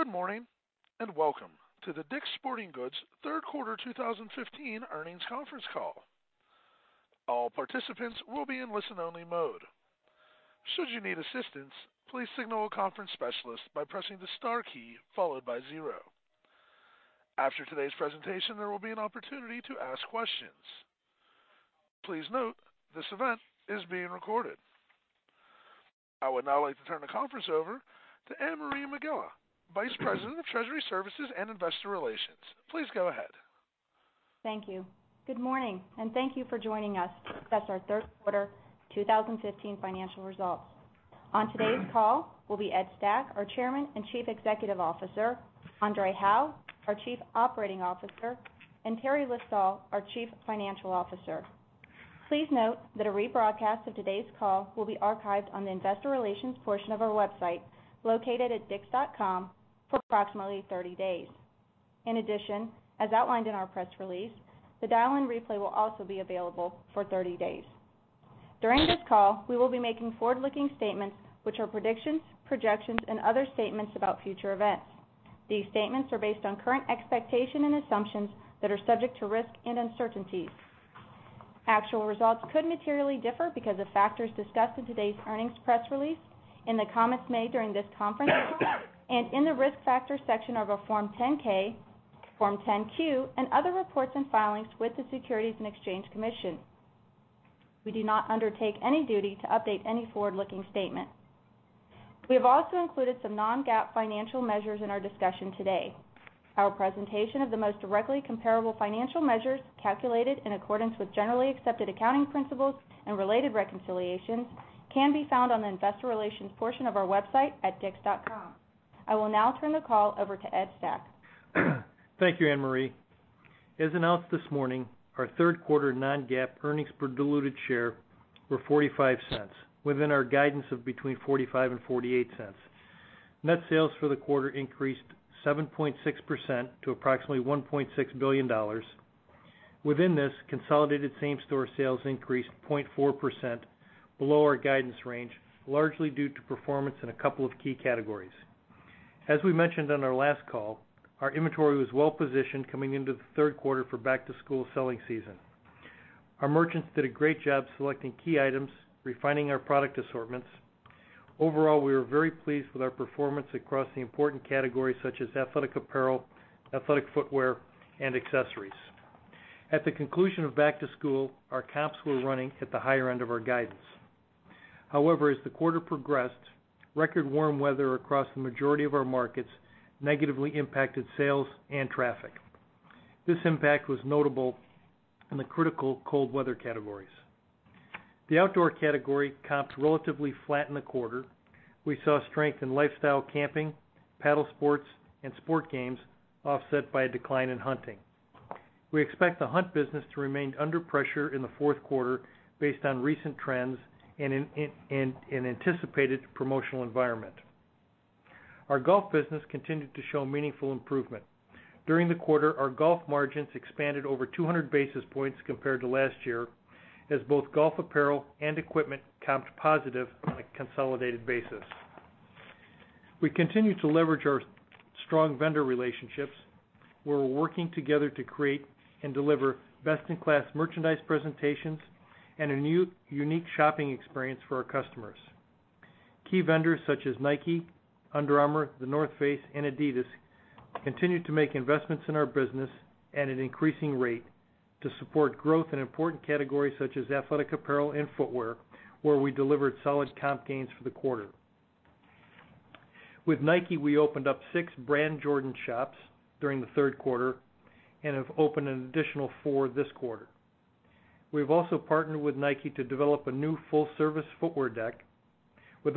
Good morning, welcome to the DICK'S Sporting Goods third quarter 2015 earnings conference call. All participants will be in listen-only mode. Should you need assistance, please signal a conference specialist by pressing the star key followed by zero. After today's presentation, there will be an opportunity to ask questions. Please note this event is being recorded. I would now like to turn the conference over to Anne-Marie Megela, Vice President of Treasury Services and Investor Relations. Please go ahead. Thank you. Good morning, thank you for joining us to discuss our third quarter 2015 financial results. On today's call will be Ed Stack, our Chairman and Chief Executive Officer, André Hawaux, our Chief Operating Officer, and Teri List-Stoll, our Chief Financial Officer. Please note that a rebroadcast of today's call will be archived on the investor relations portion of our website, located at dicks.com, for approximately 30 days. In addition, as outlined in our press release, the dial-in replay will also be available for 30 days. During this call, we will be making forward-looking statements, which are predictions, projections, and other statements about future events. These statements are based on current expectations and assumptions that are subject to risk and uncertainties. Actual results could materially differ because of factors discussed in today's earnings press release, in the comments made during this conference call, and in the risk factor section of our Form 10-K, Form 10-Q, and other reports and filings with the Securities and Exchange Commission. We do not undertake any duty to update any forward-looking statement. We have also included some non-GAAP financial measures in our discussion today. Our presentation of the most directly comparable financial measures, calculated in accordance with generally accepted accounting principles and related reconciliations, can be found on the investor relations portion of our website at dicks.com. I will now turn the call over to Ed Stack. Thank you, Anne-Marie. As announced this morning, our third quarter non-GAAP earnings per diluted share were $0.45, within our guidance of between $0.45 and $0.48. Net sales for the quarter increased 7.6% to approximately $1.6 billion. Within this, consolidated same-store sales increased 0.4%, below our guidance range, largely due to performance in a couple of key categories. As we mentioned on our last call, our inventory was well-positioned coming into the third quarter for back-to-school selling season. Our merchants did a great job selecting key items, refining our product assortments. Overall, we were very pleased with our performance across the important categories such as athletic apparel, athletic footwear, and accessories. At the conclusion of back-to-school, our comps were running at the higher end of our guidance. However, as the quarter progressed, record warm weather across the majority of our markets negatively impacted sales and traffic. This impact was notable in the critical cold weather categories. The outdoor category comped relatively flat in the quarter. We saw strength in lifestyle camping, paddle sports, and sport games offset by a decline in hunting. We expect the hunt business to remain under pressure in the fourth quarter based on recent trends and an anticipated promotional environment. Our golf business continued to show meaningful improvement. During the quarter, our golf margins expanded over 200 basis points compared to last year as both golf apparel and equipment comped positive on a consolidated basis. We continue to leverage our strong vendor relationships, where we're working together to create and deliver best-in-class merchandise presentations and a new unique shopping experience for our customers. Key vendors such as Nike, Under Armour, The North Face, and Adidas continue to make investments in our business at an increasing rate to support growth in important categories such as athletic apparel and footwear, where we delivered solid comp gains for the quarter. With Nike, we opened up six brand Jordan shops during the third quarter and have opened an additional four this quarter. We've also partnered with Nike to develop a new full-service footwear deck. We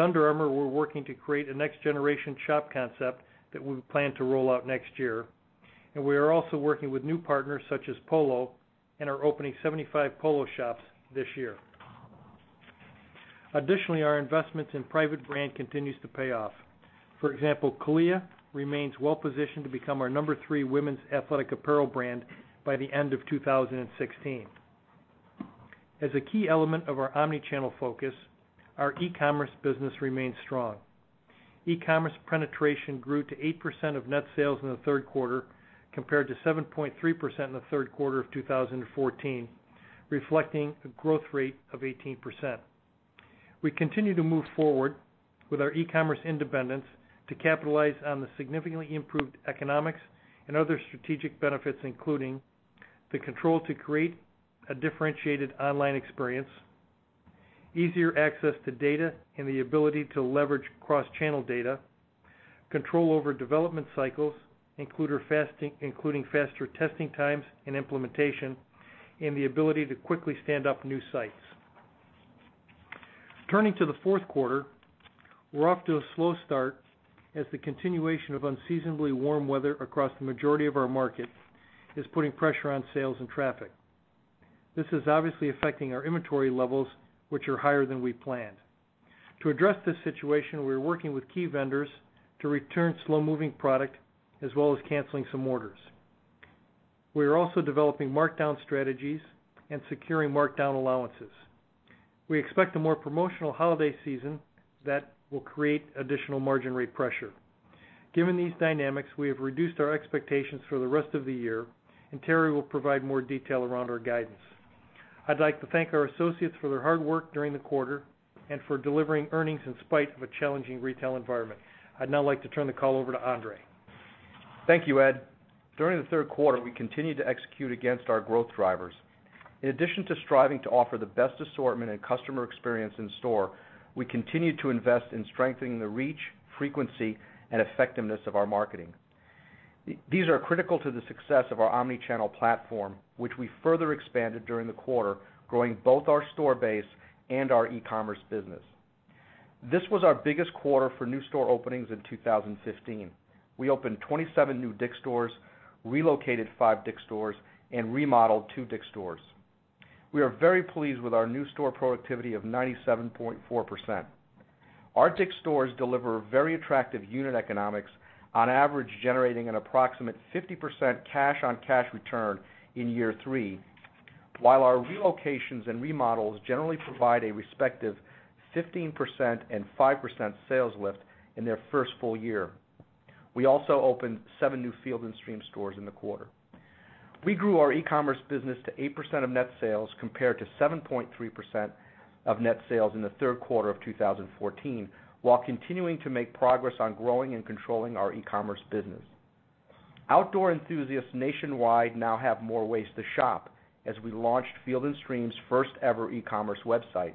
are also working with new partners such as Polo and are opening 75 Polo shops this year. Additionally, our investments in private brand continues to pay off. For example, CALIA remains well positioned to become our number 3 women's athletic apparel brand by the end of 2016. As a key element of our omni-channel focus, our e-commerce business remains strong. E-commerce penetration grew to 8% of net sales in the third quarter, compared to 7.3% in the third quarter of 2014, reflecting a growth rate of 18%. We continue to move forward with our e-commerce independence to capitalize on the significantly improved economics and other strategic benefits, including the control to create a differentiated online experience, easier access to data and the ability to leverage cross-channel data, control over development cycles, including faster testing times and implementation, and the ability to quickly stand up new sites. Turning to the fourth quarter, we're off to a slow start as the continuation of unseasonably warm weather across the majority of our markets is putting pressure on sales and traffic. This is obviously affecting our inventory levels, which are higher than we planned. To address this situation, we're working with key vendors to return slow-moving product as well as canceling some orders. We are also developing markdown strategies and securing markdown allowances. We expect a more promotional holiday season that will create additional margin rate pressure. Given these dynamics, we have reduced our expectations for the rest of the year, Teri will provide more detail around our guidance. I'd like to thank our associates for their hard work during the quarter and for delivering earnings in spite of a challenging retail environment. I'd now like to turn the call over to André. Thank you, Ed. During the third quarter, we continued to execute against our growth drivers. In addition to striving to offer the best assortment and customer experience in store, we continued to invest in strengthening the reach, frequency, and effectiveness of our marketing. These are critical to the success of our omni-channel platform, which we further expanded during the quarter, growing both our store base and our e-commerce business. This was our biggest quarter for new store openings in 2015. We opened 27 new DICK'S stores, relocated five DICK'S stores, and remodeled two DICK'S stores. We are very pleased with our new store productivity of 97.4%. Our DICK'S stores deliver very attractive unit economics, on average, generating an approximate 50% cash-on-cash return in year three, while our relocations and remodels generally provide a respective 15% and 5% sales lift in their first full year. We also opened seven new Field & Stream stores in the quarter. We grew our e-commerce business to 8% of net sales, compared to 7.3% of net sales in the third quarter of 2014, while continuing to make progress on growing and controlling our e-commerce business. Outdoor enthusiasts nationwide now have more ways to shop, as we launched Field & Stream's first-ever e-commerce website.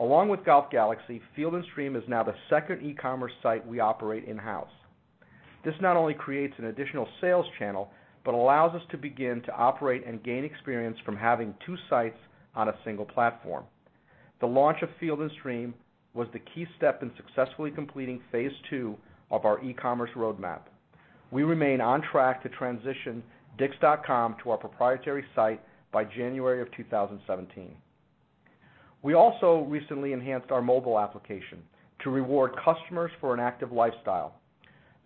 Along with Golf Galaxy, Field & Stream is now the second e-commerce site we operate in-house. This not only creates an additional sales channel, but allows us to begin to operate and gain experience from having two sites on a single platform. The launch of Field & Stream was the key step in successfully completing phase 2 of our e-commerce roadmap. We remain on track to transition dicks.com to our proprietary site by January of 2017. We also recently enhanced our mobile application to reward customers for an active lifestyle.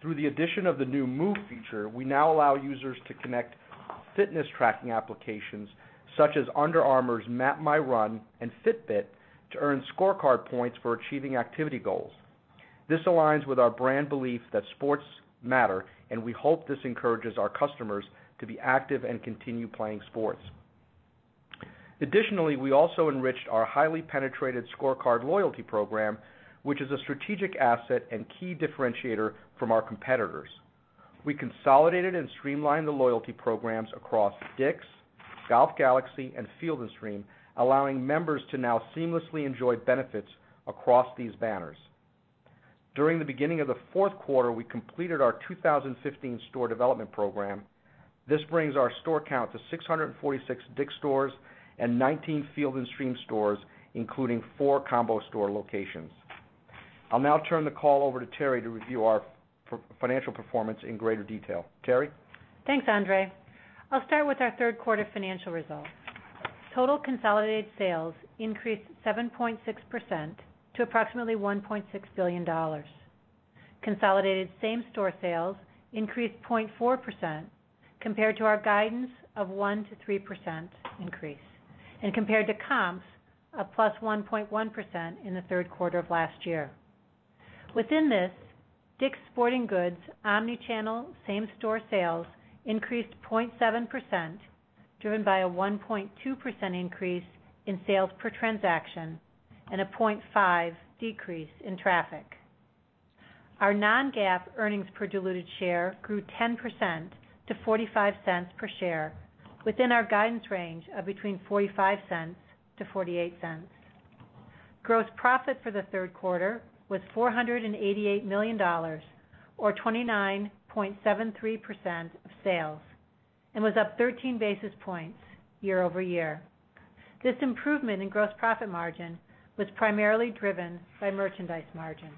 Through the addition of the new Move feature, we now allow users to connect fitness tracking applications such as Under Armour's MapMyRun and Fitbit to earn ScoreCard points for achieving activity goals. This aligns with our brand belief that sports matter, and we hope this encourages our customers to be active and continue playing sports. Additionally, we also enriched our highly penetrated ScoreCard loyalty program, which is a strategic asset and key differentiator from our competitors. We consolidated and streamlined the loyalty programs across DICK'S, Golf Galaxy, and Field & Stream, allowing members to now seamlessly enjoy benefits across these banners. During the beginning of the fourth quarter, we completed our 2015 store development program. This brings our store count to 646 DICK'S stores and 19 Field & Stream stores, including four combo store locations. I'll now turn the call over to Teri to review our financial performance in greater detail. Teri? Thanks, André. I'll start with our third quarter financial results. Total consolidated sales increased 7.6% to approximately $1.6 billion. Consolidated same-store sales increased 0.4% compared to our guidance of 1%-3% increase and compared to comps of +1.1% in the third quarter of last year. Within this, DICK'S Sporting Goods omni-channel same-store sales increased 0.7%, driven by a 1.2% increase in sales per transaction and a 0.5% decrease in traffic. Our non-GAAP earnings per diluted share grew 10% to $0.45 per share within our guidance range of between $0.45 to $0.48. Gross profit for the third quarter was $488 million, or 29.73% of sales, and was up 13 basis points year-over-year. This improvement in gross profit margin was primarily driven by merchandise margin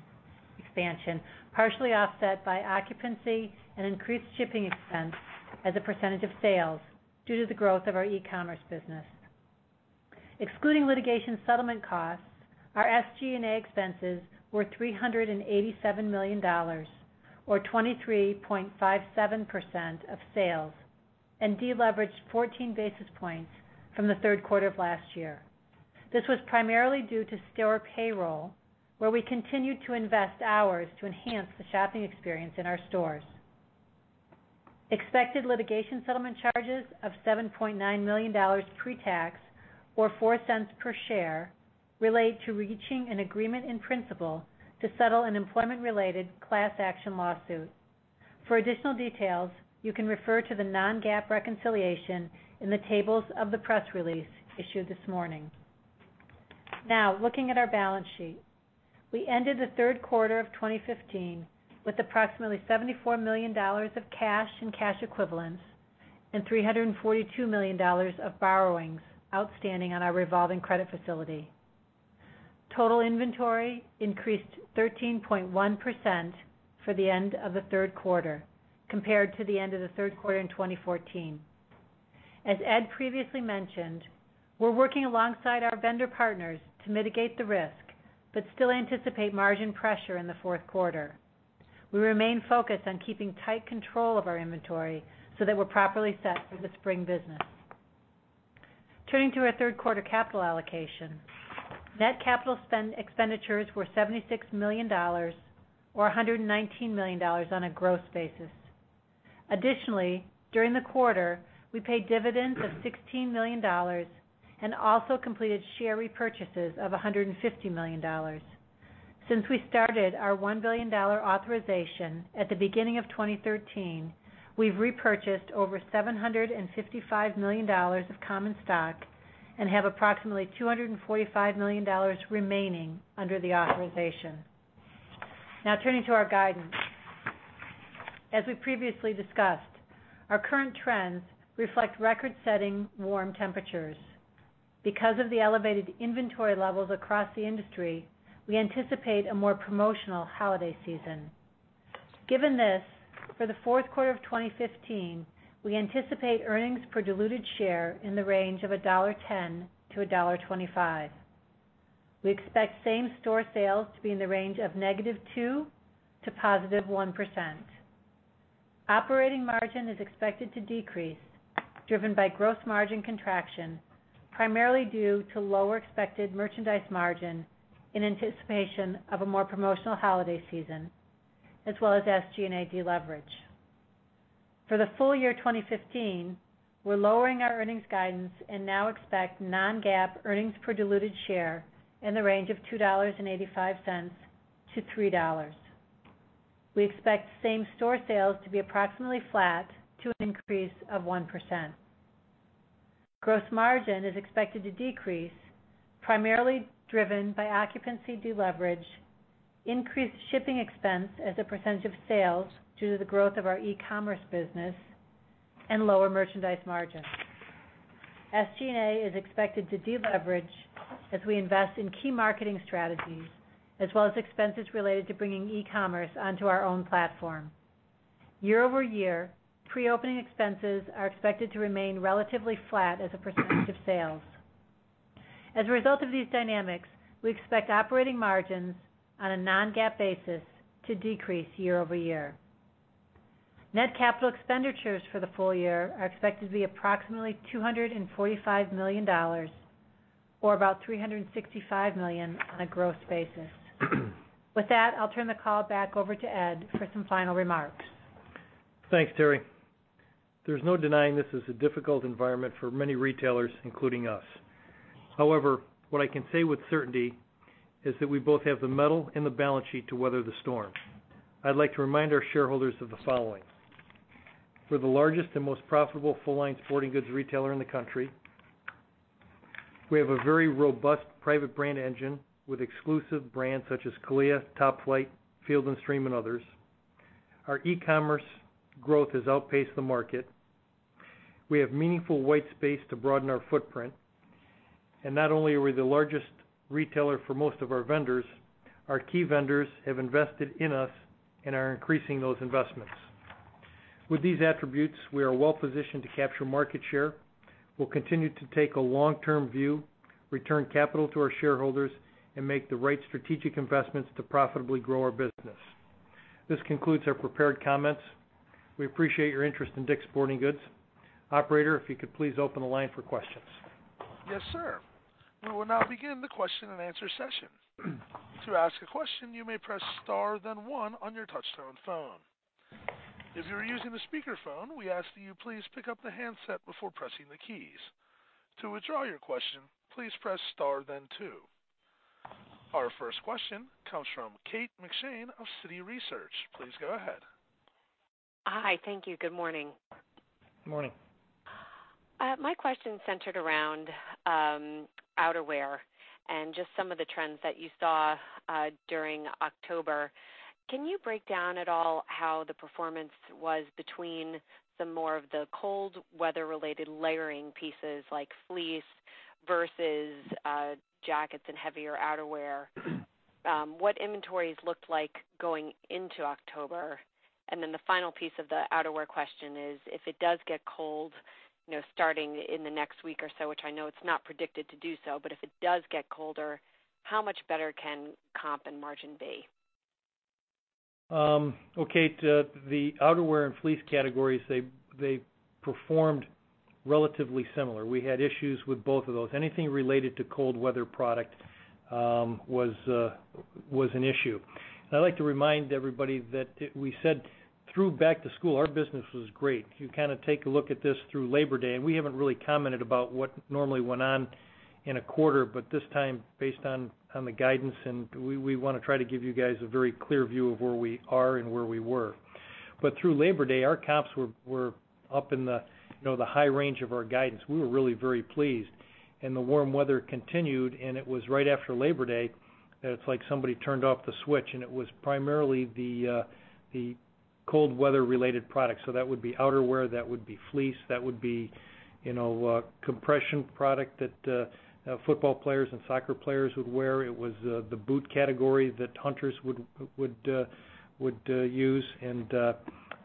expansion, partially offset by occupancy and increased shipping expense as a percentage of sales due to the growth of our e-commerce business. Excluding litigation settlement costs, our SG&A expenses were $387 million, or 23.57% of sales, and deleveraged 14 basis points from the third quarter of last year. This was primarily due to store payroll, where we continued to invest hours to enhance the shopping experience in our stores. Expected litigation settlement charges of $7.9 million pre-tax, or $0.04 per share, relate to reaching an agreement in principle to settle an employment-related class action lawsuit. For additional details, you can refer to the non-GAAP reconciliation in the tables of the press release issued this morning. Looking at our balance sheet. We ended the third quarter of 2015 with approximately $74 million of cash and cash equivalents and $342 million of borrowings outstanding on our revolving credit facility. Total inventory increased 13.1% for the end of the third quarter compared to the end of the third quarter in 2014. As Ed previously mentioned, we're working alongside our vendor partners to mitigate the risk, but still anticipate margin pressure in the fourth quarter. We remain focused on keeping tight control of our inventory so that we're properly set for the spring business. Turning to our third quarter capital allocation. Net capital expenditures were $76 million, or $119 million on a gross basis. Additionally, during the quarter, we paid dividends of $16 million and also completed share repurchases of $150 million. Since we started our $1 billion authorization at the beginning of 2013, we've repurchased over $755 million of common stock and have approximately $245 million remaining under the authorization. Turning to our guidance. As we previously discussed, our current trends reflect record-setting warm temperatures. Because of the elevated inventory levels across the industry, we anticipate a more promotional holiday season. Given this, for the fourth quarter of 2015, we anticipate earnings per diluted share in the range of $1.10-$1.25. We expect same-store sales to be in the range of -2% to +1%. Operating margin is expected to decrease, driven by gross margin contraction, primarily due to lower expected merchandise margin in anticipation of a more promotional holiday season, as well as SG&A deleverage. For the full year 2015, we're lowering our earnings guidance and now expect non-GAAP earnings per diluted share in the range of $2.85 to $3. We expect same-store sales to be approximately flat to an increase of 1%. Gross margin is expected to decrease, primarily driven by occupancy deleverage, increased shipping expense as a percentage of sales due to the growth of our e-commerce business, and lower merchandise margin. SG&A is expected to deleverage as we invest in key marketing strategies, as well as expenses related to bringing e-commerce onto our own platform. Year-over-year, pre-opening expenses are expected to remain relatively flat as a percentage of sales. As a result of these dynamics, we expect operating margins on a non-GAAP basis to decrease year-over-year. Net capital expenditures for the full year are expected to be approximately $245 million, or about $365 million on a gross basis. With that, I'll turn the call back over to Ed for some final remarks. Thanks, Teri. There's no denying this is a difficult environment for many retailers, including us. What I can say with certainty is that we both have the mettle and the balance sheet to weather the storm. I'd like to remind our shareholders of the following. We're the largest and most profitable full-line sporting goods retailer in the country. We have a very robust private brand engine with exclusive brands such as CALIA, Top-Flite, Field & Stream, and others. Our e-commerce growth has outpaced the market. We have meaningful white space to broaden our footprint. Not only are we the largest retailer for most of our vendors, our key vendors have invested in us and are increasing those investments. With these attributes, we are well positioned to capture market share. We'll continue to take a long-term view, return capital to our shareholders, and make the right strategic investments to profitably grow our business. This concludes our prepared comments. We appreciate your interest in DICK'S Sporting Goods. Operator, if you could please open the line for questions. Yes, sir. We will now begin the question-and-answer session. To ask a question, you may press star then one on your touchtone phone. If you are using the speakerphone, we ask that you please pick up the handset before pressing the keys. To withdraw your question, please press star then two. Our first question comes from Kate McShane of Citi Research. Please go ahead. Hi. Thank you. Good morning. Morning. My question centered around outerwear and just some of the trends that you saw during October. Can you break down at all how the performance was between some more of the cold weather-related layering pieces like fleece versus jackets and heavier outerwear? What inventories looked like going into October. Then the final piece of the outerwear question is, if it does get cold starting in the next week or so, which I know it's not predicted to do so, but if it does get colder, how much better can comp and margin be? Okay, Kate. The outerwear and fleece categories, they performed relatively similar. We had issues with both of those. Anything related to cold weather product was an issue. I'd like to remind everybody that we said through back to school, our business was great. If you take a look at this through Labor Day, we haven't really commented about what normally went on in a quarter, this time, based on the guidance, we want to try to give you guys a very clear view of where we are and where we were. Through Labor Day, our comps were up in the high range of our guidance. We were really very pleased. The warm weather continued, it was right after Labor Day that it's like somebody turned off the switch, it was primarily the cold weather-related products. That would be outerwear, that would be fleece, that would be compression product that football players and soccer players would wear. It was the boot category that hunters would use, and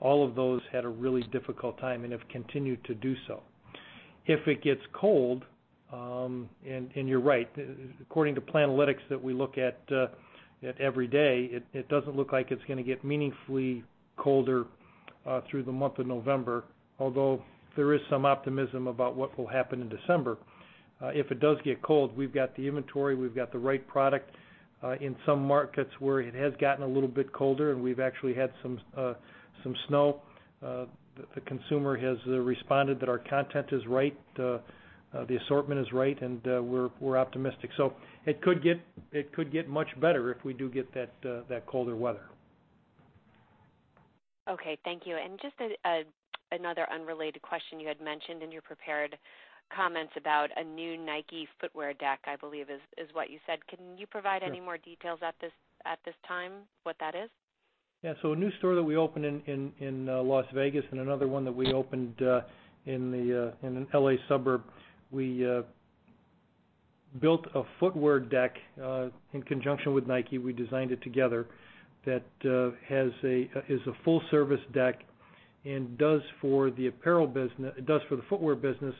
all of those had a really difficult time and have continued to do so. If it gets cold, and you're right, according to Planalytics that we look at every day, it doesn't look like it's going to get meaningfully colder through the month of November, although there is some optimism about what will happen in December. If it does get cold, we've got the inventory, we've got the right product. In some markets where it has gotten a little bit colder, and we've actually had some snow, the consumer has responded that our content is right, the assortment is right, and we're optimistic. It could get much better if we do get that colder weather. Okay, thank you. Just another unrelated question, you had mentioned in your prepared comments about a new Nike footwear deck, I believe is what you said. Can you provide any more details at this time what that is? Yeah. A new store that we opened in Las Vegas and another one that we opened in an L.A. suburb, we built a footwear deck in conjunction with Nike. We designed it together. That is a full-service deck and does for the footwear business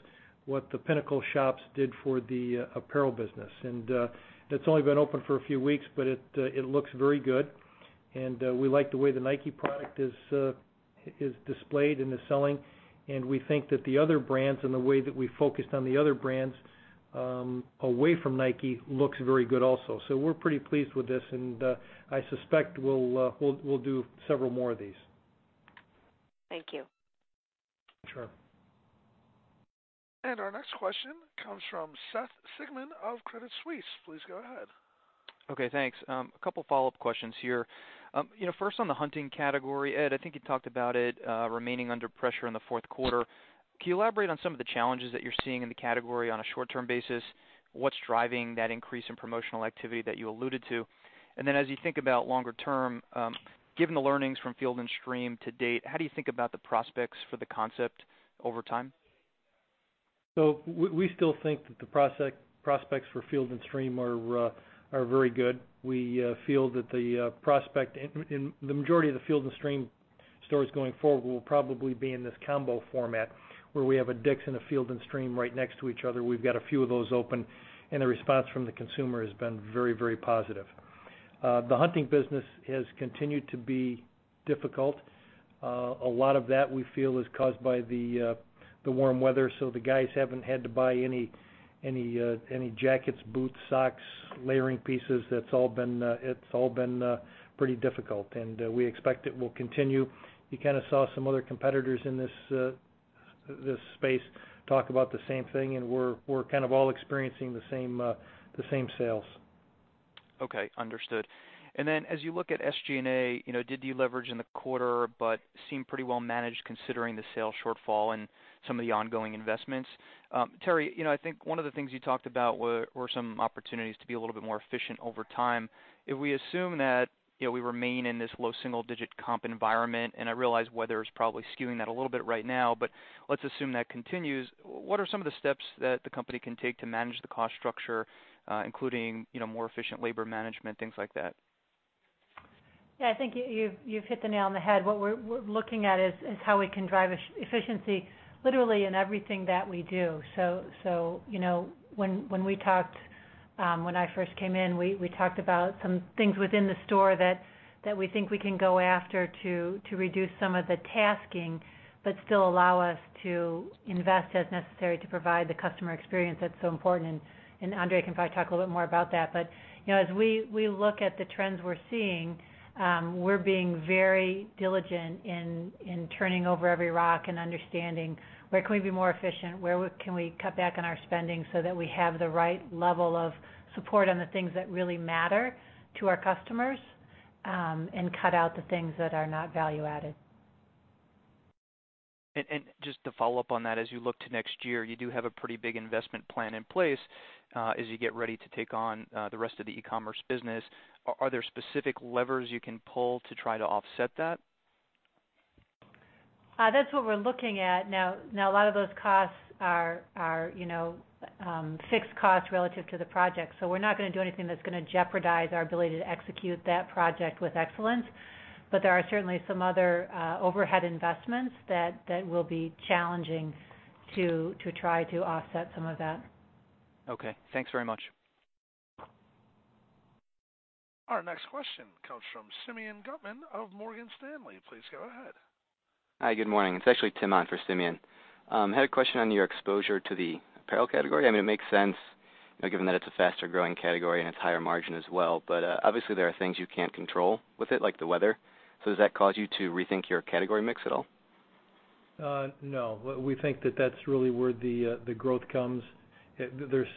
what the Pinnacle shops did for the apparel business. It's only been open for a few weeks, but it looks very good. We like the way the Nike product is displayed and is selling. We think that the other brands and the way that we focused on the other brands, away from Nike, looks very good also. We're pretty pleased with this, and I suspect we'll do several more of these. Thank you. Sure. Our next question comes from Seth Sigman of Credit Suisse. Please go ahead. Okay, thanks. A couple follow-up questions here. First, on the hunting category, Ed, I think you talked about it remaining under pressure in the fourth quarter. Can you elaborate on some of the challenges that you're seeing in the category on a short-term basis? What's driving that increase in promotional activity that you alluded to? Then as you think about longer term, given the learnings from Field & Stream to date, how do you think about the prospects for the concept over time? We still think that the prospects for Field & Stream are very good. We feel that the prospect in the majority of the Field & Stream stores going forward will probably be in this combo format, where we have a DICK'S and a Field & Stream right next to each other. We've got a few of those open, and the response from the consumer has been very positive. The hunting business has continued to be difficult. A lot of that, we feel, is caused by the warm weather. The guys haven't had to buy any jackets, boots, socks, layering pieces. It's all been pretty difficult, and we expect it will continue. You kind of saw some other competitors in this space talk about the same thing, and we're kind of all experiencing the same sales. Okay. Understood. As you look at SG&A, did deleverage in the quarter but seem pretty well managed considering the sales shortfall and some of the ongoing investments. Teri, I think one of the things you talked about were some opportunities to be a little bit more efficient over time. If we assume that we remain in this low single-digit comp environment, and I realize weather is probably skewing that a little bit right now, but let's assume that continues. What are some of the steps that the company can take to manage the cost structure, including more efficient labor management, things like that? I think you've hit the nail on the head. What we're looking at is how we can drive efficiency literally in everything that we do. When I first came in, we talked about some things within the store that we think we can go after to reduce some of the tasking but still allow us to invest as necessary to provide the customer experience that's so important. André can probably talk a little bit more about that. As we look at the trends we're seeing, we're being very diligent in turning over every rock and understanding where can we be more efficient, where can we cut back on our spending so that we have the right level of support on the things that really matter to our customers, and cut out the things that are not value added. Just to follow up on that, as you look to next year, you do have a pretty big investment plan in place. As you get ready to take on the rest of the e-commerce business, are there specific levers you can pull to try to offset that? That's what we're looking at now. Now a lot of those costs are fixed costs relative to the project. We're not going to do anything that's going to jeopardize our ability to execute that project with excellence. There are certainly some other overhead investments that will be challenging to try to offset some of that. Okay. Thanks very much. Our next question comes from Simeon Gutman of Morgan Stanley. Please go ahead. Hi, good morning. It's actually Tim on for Simeon. Had a question on your exposure to the apparel category. I mean, it makes sense given that it's a faster-growing category and it's higher margin as well. Obviously, there are things you can't control with it, like the weather. Does that cause you to rethink your category mix at all? No. We think that that's really where the growth comes. There's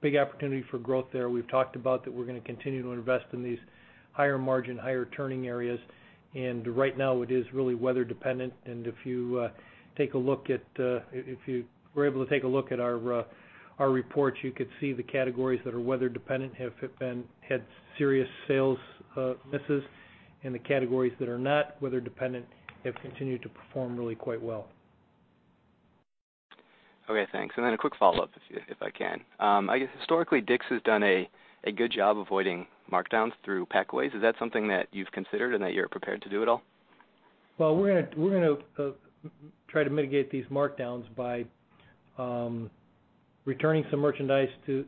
big opportunity for growth there. We've talked about that we're going to continue to invest in these higher margin, higher turning areas. Right now it is really weather dependent. If you were able to take a look at our reports, you could see the categories that are weather dependent have had serious sales misses, and the categories that are not weather dependent have continued to perform really quite well. Okay, thanks. Then a quick follow-up, if I can. I guess historically DICK'S has done a good job avoiding markdowns through packaways. Is that something that you've considered and that you're prepared to do at all? We're going to try to mitigate these markdowns by returning some merchandise to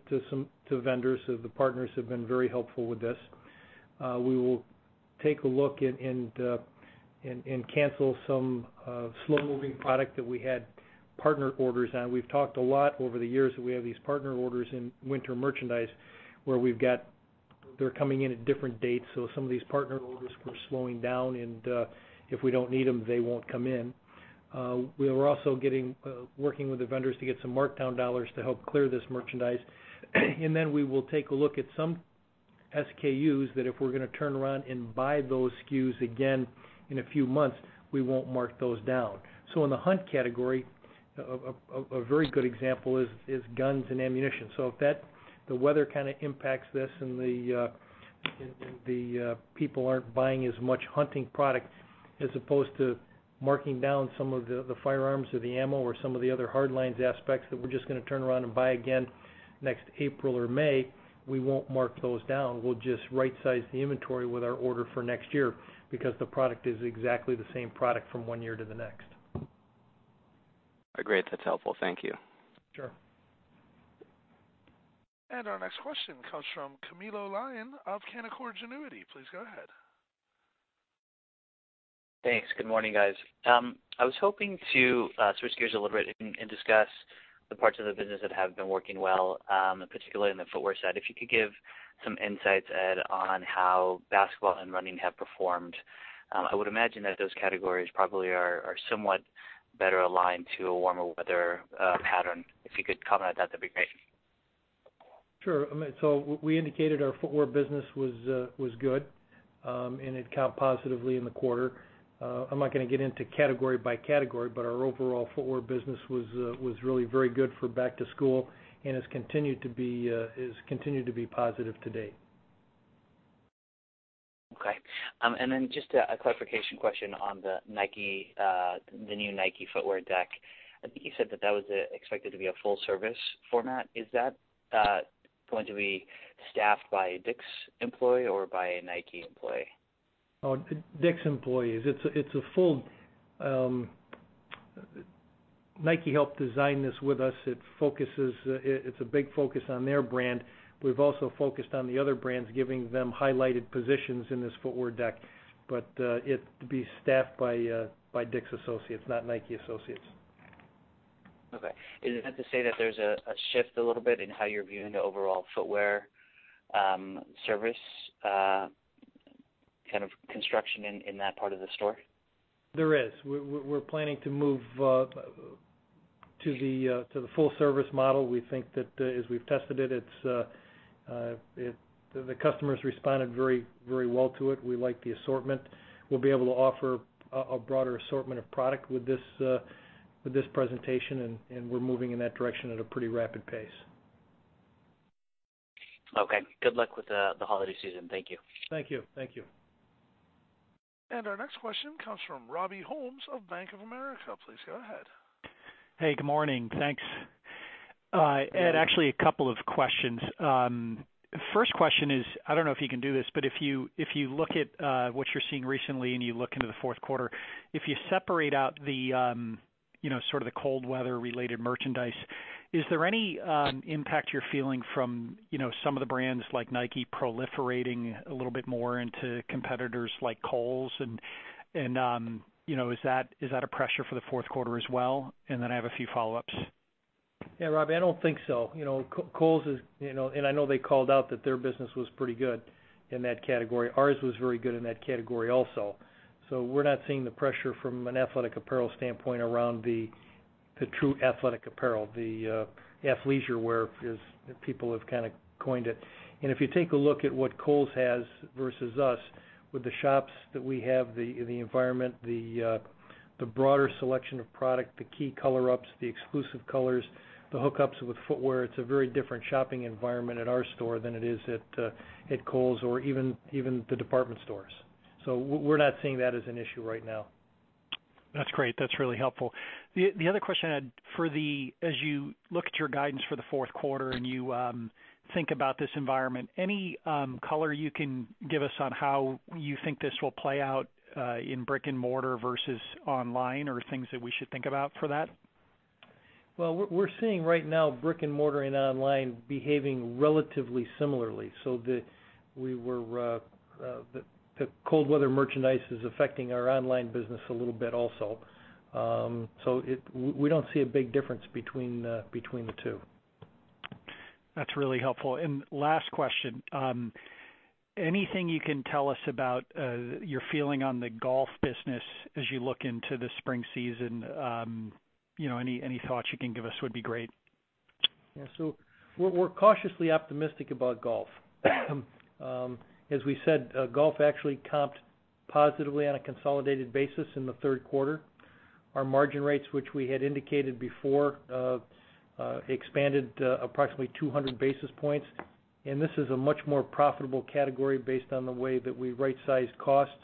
vendors. The partners have been very helpful with this. We will take a look and cancel some slow-moving product that we had partner orders on. We've talked a lot over the years that we have these partner orders in winter merchandise where they're coming in at different dates. Some of these partner orders, we're slowing down, and if we don't need them, they won't come in. We are also working with the vendors to get some markdown $ to help clear this merchandise. We will take a look at some SKUs that if we're going to turn around and buy those SKUs again in a few months, we won't mark those down. In the hunt category, a very good example is guns and ammunition. If the weather kind of impacts this and the people aren't buying as much hunting product as opposed to marking down some of the firearms or the ammo or some of the other hard lines aspects that we're just going to turn around and buy again next April or May, we won't mark those down. We'll just right-size the inventory with our order for next year because the product is exactly the same product from one year to the next. Great. That's helpful. Thank you. Sure. Our next question comes from Camilo Lyon of Canaccord Genuity. Please go ahead. Thanks. Good morning, guys. I was hoping to switch gears a little bit and discuss the parts of the business that have been working well, particularly in the footwear side. If you could give some insights, Ed, on how basketball and running have performed. I would imagine that those categories probably are somewhat better aligned to a warmer weather pattern. If you could comment on that'd be great. Sure. We indicated our footwear business was good, and it comped positively in the quarter. I'm not going to get into category by category, but our overall footwear business was really very good for back to school and has continued to be positive to date. Okay. Just a clarification question on the new Nike footwear deck. I think you said that that was expected to be a full-service format. Is that going to be staffed by a DICK'S employee or by a Nike employee? DICK'S employees. Nike helped design this with us. It's a big focus on their brand. We've also focused on the other brands, giving them highlighted positions in this footwear deck. It'd be staffed by DICK'S associates, not Nike associates. Okay. Is that to say that there's a shift a little bit in how you're viewing the overall footwear service kind of construction in that part of the store? There is. We're planning to move to the full-service model. We think that as we've tested it, the customers responded very well to it. We like the assortment. We'll be able to offer a broader assortment of product with this presentation, and we're moving in that direction at a pretty rapid pace. Okay. Good luck with the holiday season. Thank you. Thank you. Our next question comes from Robert Ohmes of Bank of America. Please go ahead. Hey, good morning. Thanks. Ed, actually, a couple of questions. First question is, I don't know if you can do this, but if you look at what you're seeing recently and you look into the fourth quarter, if you separate out the sort of the cold weather related merchandise, is there any impact you're feeling from some of the brands like Nike proliferating a little bit more into competitors like Kohl's? Is that a pressure for the fourth quarter as well? I have a few follow-ups. Yeah, Robbie, I don't think so. Kohl's, and I know they called out that their business was pretty good in that category. Ours was very good in that category also. We're not seeing the pressure from an athletic apparel standpoint around the true athletic apparel. The athleisure wear, as people have kind of coined it. If you take a look at what Kohl's has versus us with the shops that we have, the environment, the broader selection of product, the key color ups, the exclusive colors, the hookups with footwear, it's a very different shopping environment at our store than it is at Kohl's or even the department stores. We're not seeing that as an issue right now. That's great. That's really helpful. The other question, Ed, as you look at your guidance for the fourth quarter and you think about this environment, any color you can give us on how you think this will play out in brick and mortar versus online, or things that we should think about for that? We're seeing right now brick and mortar and online behaving relatively similarly. The cold weather merchandise is affecting our online business a little bit also. We don't see a big difference between the two. That's really helpful. Last question. Anything you can tell us about your feeling on the golf business as you look into the spring season? Any thoughts you can give us would be great. Yeah. We're cautiously optimistic about golf. As we said, golf actually comped positively on a consolidated basis in the third quarter. Our margin rates, which we had indicated before, expanded approximately 200 basis points. This is a much more profitable category based on the way that we right-sized costs.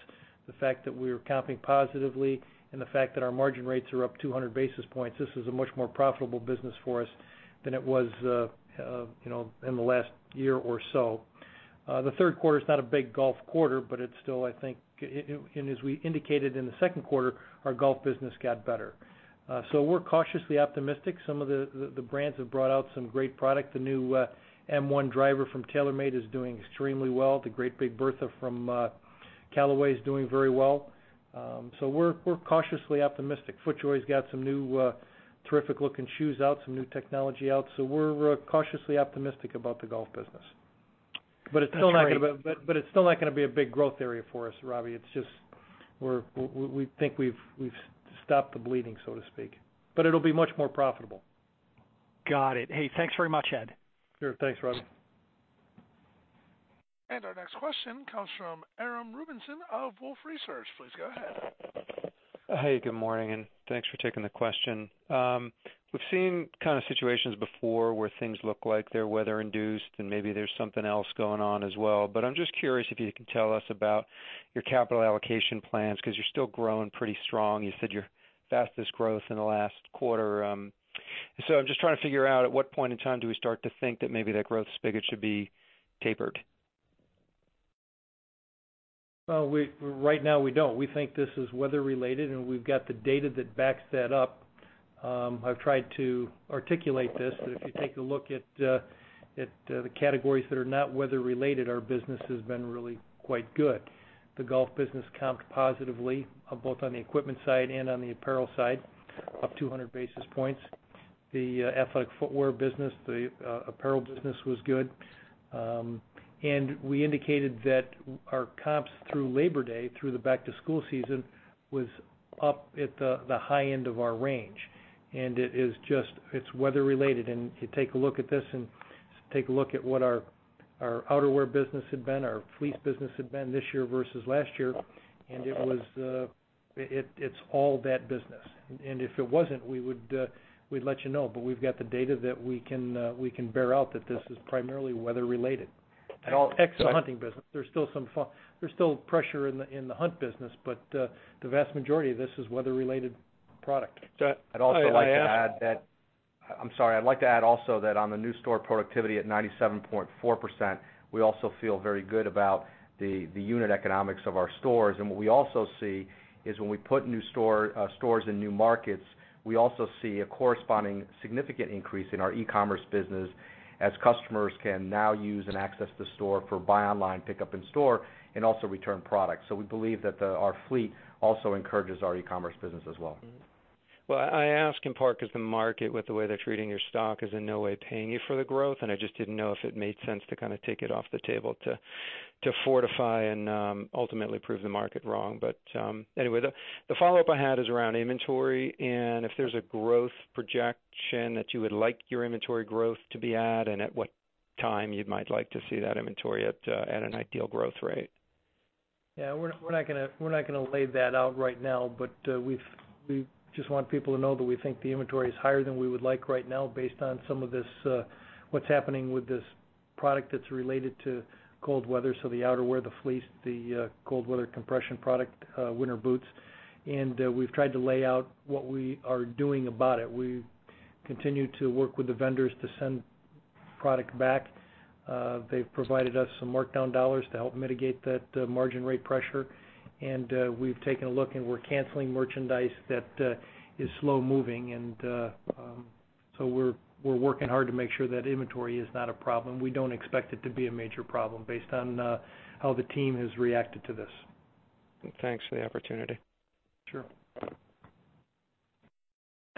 The fact that we are comping positively and the fact that our margin rates are up 200 basis points, this is a much more profitable business for us than it was in the last year or so. The third quarter is not a big golf quarter, but it's still, I think. As we indicated in the second quarter, our golf business got better. We're cautiously optimistic. Some of the brands have brought out some great product. The new M1 driver from TaylorMade is doing extremely well. The Great Big Bertha from Callaway is doing very well. We're cautiously optimistic. FootJoy's got some new terrific-looking shoes out, some new technology out. We're cautiously optimistic about the golf business. That's great. It's still not going to be a big growth area for us, Robbie. It's just we think we've stopped the bleeding, so to speak. It'll be much more profitable. Got it. Hey, thanks very much, Ed. Sure. Thanks, Robbie. Our next question comes from Aram Rubinson of Wolfe Research. Please go ahead. Hey, good morning, and thanks for taking the question. We've seen kind of situations before where things look like they're weather induced, maybe there's something else going on as well. I'm just curious if you can tell us about your capital allocation plans because you're still growing pretty strong. You said your fastest growth in the last quarter. I'm just trying to figure out at what point in time do we start to think that maybe that growth spigot should be tapered. Well, right now we don't. We think this is weather related, we've got the data that backs that up. I've tried to articulate this, if you take a look at the categories that are not weather related, our business has been really quite good. The golf business comped positively, both on the equipment side and on the apparel side, up 200 basis points. The athletic footwear business, the apparel business was good. We indicated that our comps through Labor Day, through the back-to-school season, was up at the high end of our range. It's weather related, if you take a look at this and take a look at what our outerwear business had been, our fleece business had been this year versus last year, it's all that business. If it wasn't, we'd let you know. We've got the data that we can bear out that this is primarily weather related. And I'll- Except the hunting business. There's still pressure in the hunt business, but the vast majority of this is weather related product. Scot, I'm sorry. I'd like to add also that on the new store productivity at 97.4%, we also feel very good about the unit economics of our stores. What we also see is when we put new stores in new markets, we also see a corresponding significant increase in our e-commerce business as customers can now use and access the store for buy online, pick up in store, and also return products. We believe that our fleet also encourages our e-commerce business as well. Well, I ask in part because the market with the way they're treating your stock is in no way paying you for the growth. I just didn't know if it made sense to kind of take it off the table to fortify and ultimately prove the market wrong. Anyway, the follow-up I had is around inventory and if there's a growth projection that you would like your inventory growth to be at and at what time you might like to see that inventory at an ideal growth rate. Yeah, we're not going to lay that out right now. We just want people to know that we think the inventory is higher than we would like right now based on some of what's happening with this product that's related to cold weather, so the outerwear, the fleece, the cold weather compression product, winter boots. We've tried to lay out what we are doing about it. We continue to work with the vendors to send product back. They've provided us some markdown $ to help mitigate that margin rate pressure. We've taken a look and we're canceling merchandise that is slow moving. We're working hard to make sure that inventory is not a problem. We don't expect it to be a major problem based on how the team has reacted to this. Thanks for the opportunity. Sure.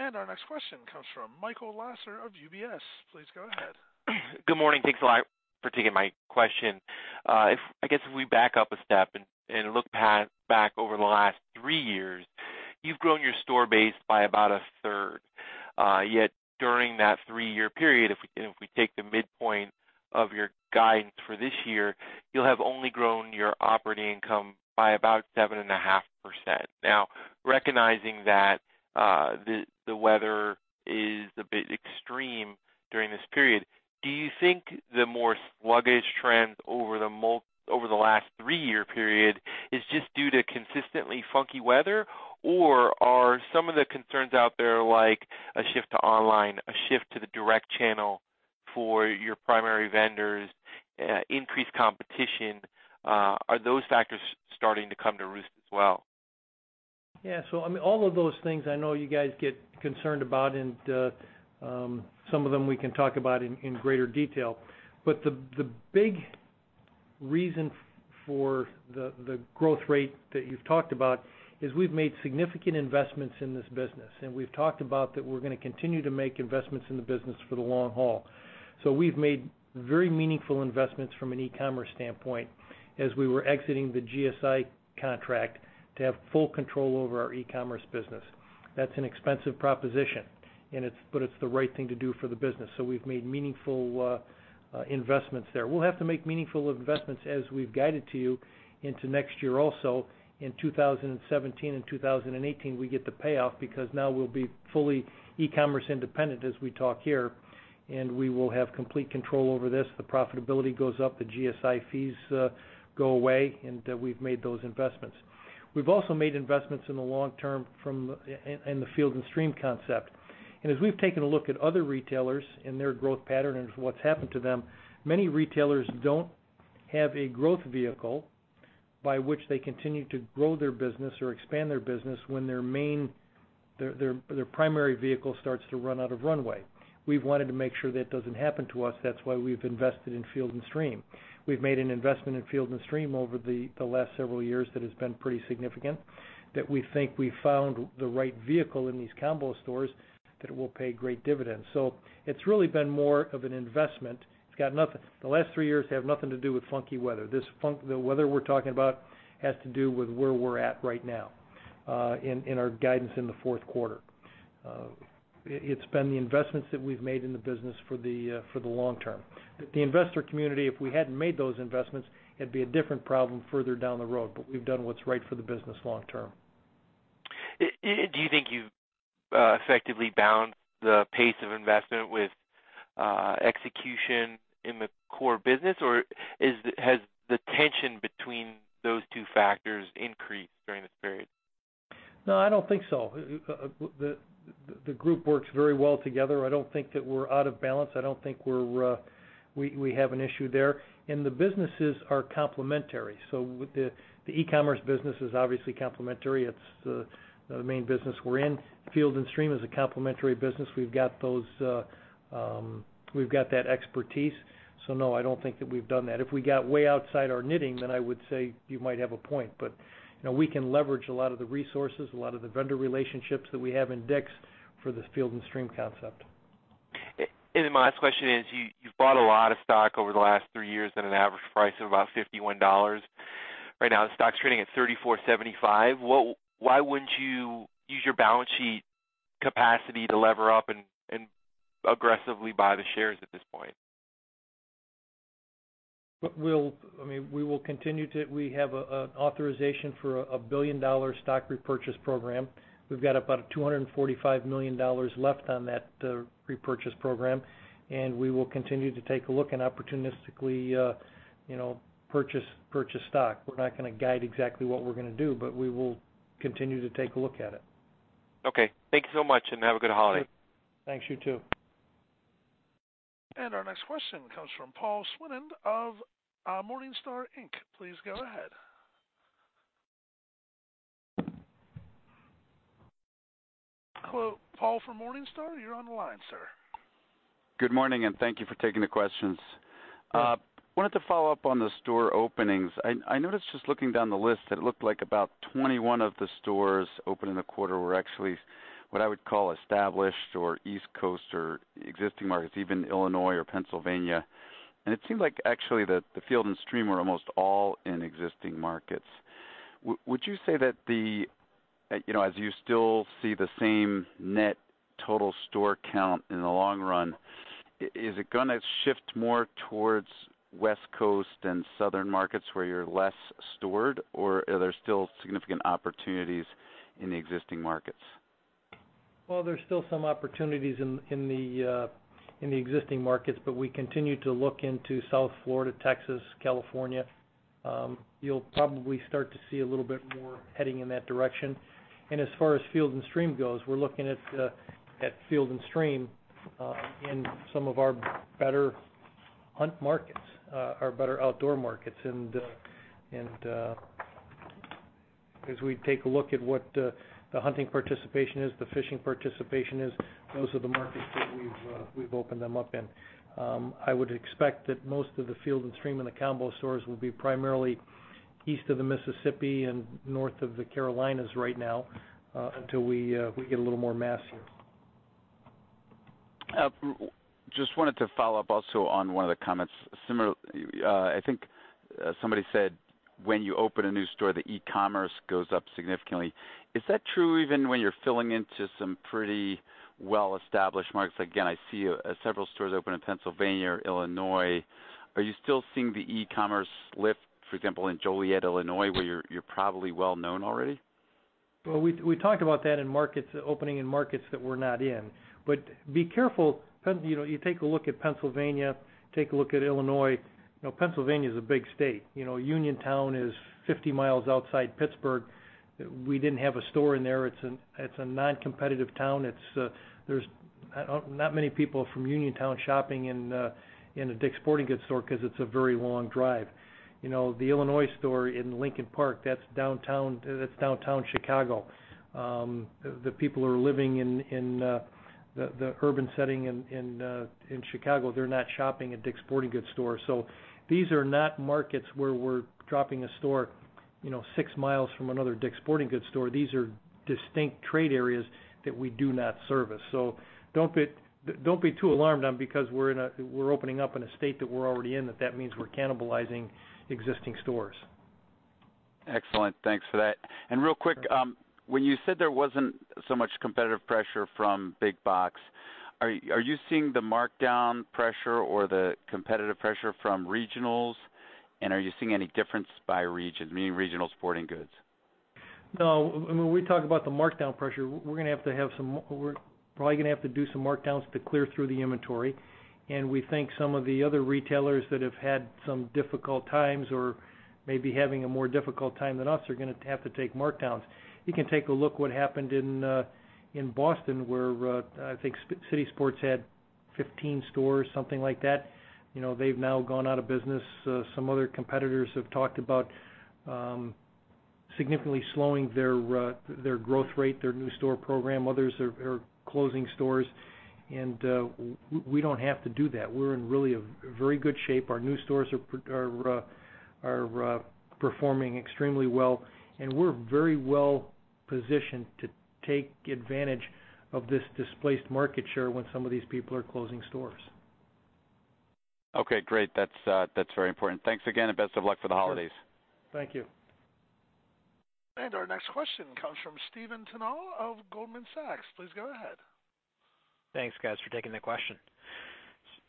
Our next question comes from Michael Lasser of UBS. Please go ahead. Good morning. Thanks a lot for taking my question. I guess if we back up a step and look back over the last 3 years, you've grown your store base by about a third. Yet during that 3-year period, if we take the midpoint of your guidance for this year, you'll have only grown your operating income by about 7.5%. Recognizing that the weather is a bit extreme during this period, do you think the more sluggish trends over the last 3-year period is just due to consistently funky weather? Are some of the concerns out there, like a shift to online, a shift to the direct channel for your primary vendors, increased competition, are those factors starting to come to roost as well? Yeah. All of those things I know you guys get concerned about, and some of them we can talk about in greater detail. The big reason for the growth rate that you've talked about is we've made significant investments in this business. We've talked about that we're going to continue to make investments in the business for the long haul. We've made very meaningful investments from an e-commerce standpoint as we were exiting the GSI contract to have full control over our e-commerce business. That's an expensive proposition but it's the right thing to do for the business. We've made meaningful investments there. We'll have to make meaningful investments, as we've guided to you, into next year also. In 2017 and 2018, we get the payoff because now we'll be fully e-commerce independent as we talk here, and we will have complete control over this. The profitability goes up, the GSI fees go away, we've made those investments. We've also made investments in the long term in the Field & Stream concept. As we've taken a look at other retailers and their growth pattern and what's happened to them, many retailers don't have a growth vehicle by which they continue to grow their business or expand their business when their primary vehicle starts to run out of runway. We've wanted to make sure that doesn't happen to us. That's why we've invested in Field & Stream. We've made an investment in Field & Stream over the last several years that has been pretty significant, that we think we found the right vehicle in these combo stores that will pay great dividends. It's really been more of an investment. The last 3 years have nothing to do with funky weather. The weather we're talking about has to do with where we're at right now, in our guidance in the fourth quarter. It's been the investments that we've made in the business for the long term. The investor community, if we hadn't made those investments, it'd be a different problem further down the road. We've done what's right for the business long term. Do you think you've effectively balanced the pace of investment with execution in the core business, or has the tension between those two factors increased during this period? No, I don't think so. The group works very well together. I don't think that we're out of balance. I don't think we have an issue there. The businesses are complementary. The e-commerce business is obviously complementary. It's the main business we're in. Field & Stream is a complementary business. We've got that expertise. No, I don't think that we've done that. If we got way outside our knitting, I would say you might have a point, but we can leverage a lot of the resources, a lot of the vendor relationships that we have in DICK'S for the Field & Stream concept. My last question is, you've bought a lot of stock over the last three years at an average price of about $51. Right now, the stock's trading at $34.75. Why wouldn't you use your balance sheet capacity to lever up and aggressively buy the shares at this point? We have an authorization for a billion-dollar stock repurchase program. We've got about $245 million left on that repurchase program, we will continue to take a look and opportunistically purchase stock. We're not going to guide exactly what we're going to do, but we will continue to take a look at it. Okay. Thank you so much. Have a good holiday. Thanks. You, too. Our next question comes from Paul Swinand of Morningstar, Inc. Please go ahead. Hello, Paul from Morningstar, you're on the line, sir. Good morning. Thank you for taking the questions. Sure. Wanted to follow up on the store openings. I noticed just looking down the list that it looked like about 21 of the stores opened in the quarter were actually what I would call established or East Coast or existing markets, even Illinois or Pennsylvania. It seemed like actually that the Field & Stream were almost all in existing markets. Would you say that as you still see the same net total store count in the long run, is it going to shift more towards West Coast and southern markets where you're less stored, or are there still significant opportunities in the existing markets? Well, there's still some opportunities in the existing markets, we continue to look into South Florida, Texas, California. You'll probably start to see a little bit more heading in that direction. As far as Field & Stream goes, we're looking at Field & Stream in some of our better hunt markets, our better outdoor markets. As we take a look at what the hunting participation is, the fishing participation is, those are the markets that we've opened them up in. I would expect that most of the Field & Stream and the combo stores will be primarily east of the Mississippi and north of the Carolinas right now, until we get a little more mass here. Just wanted to follow up also on one of the comments. I think somebody said when you open a new store, the e-commerce goes up significantly. Is that true even when you're filling into some pretty well-established markets? Again, I see several stores open in Pennsylvania or Illinois. Are you still seeing the e-commerce lift, for example, in Joliet, Illinois, where you're probably well known already? Well, we talked about that in opening in markets that we're not in. Be careful. You take a look at Pennsylvania, take a look at Illinois. Pennsylvania is a big state. Uniontown is 50 miles outside Pittsburgh. We didn't have a store in there. It's a non-competitive town. There's not many people from Uniontown shopping in a DICK'S Sporting Goods store because it's a very long drive. The Illinois store in Lincoln Park, that's downtown Chicago. The people who are living in the urban setting in Chicago, they're not shopping at DICK'S Sporting Goods store. These are not markets where we're dropping a store six miles from another DICK'S Sporting Goods store. Don't be too alarmed on because we're opening up in a state that we're already in, that that means we're cannibalizing existing stores. Excellent. Thanks for that. Real quick, when you said there wasn't so much competitive pressure from big box, are you seeing the markdown pressure or the competitive pressure from regionals? Are you seeing any difference by region, meaning regional sporting goods? No. When we talk about the markdown pressure, we're probably going to have to do some markdowns to clear through the inventory. We think some of the other retailers that have had some difficult times or may be having a more difficult time than us are going to have to take markdowns. You can take a look what happened in Boston where I think City Sports had 15 stores, something like that. They've now gone out of business. Some other competitors have talked about significantly slowing their growth rate, their new store program. Others are closing stores, we don't have to do that. We're in really a very good shape. Our new stores are performing extremely well, we're very well positioned to take advantage of this displaced market share when some of these people are closing stores. Okay, great. That's very important. Thanks again and best of luck for the holidays. Thank you. Our next question comes from Steven Tanouye of Goldman Sachs. Please go ahead. Thanks, guys, for taking the question.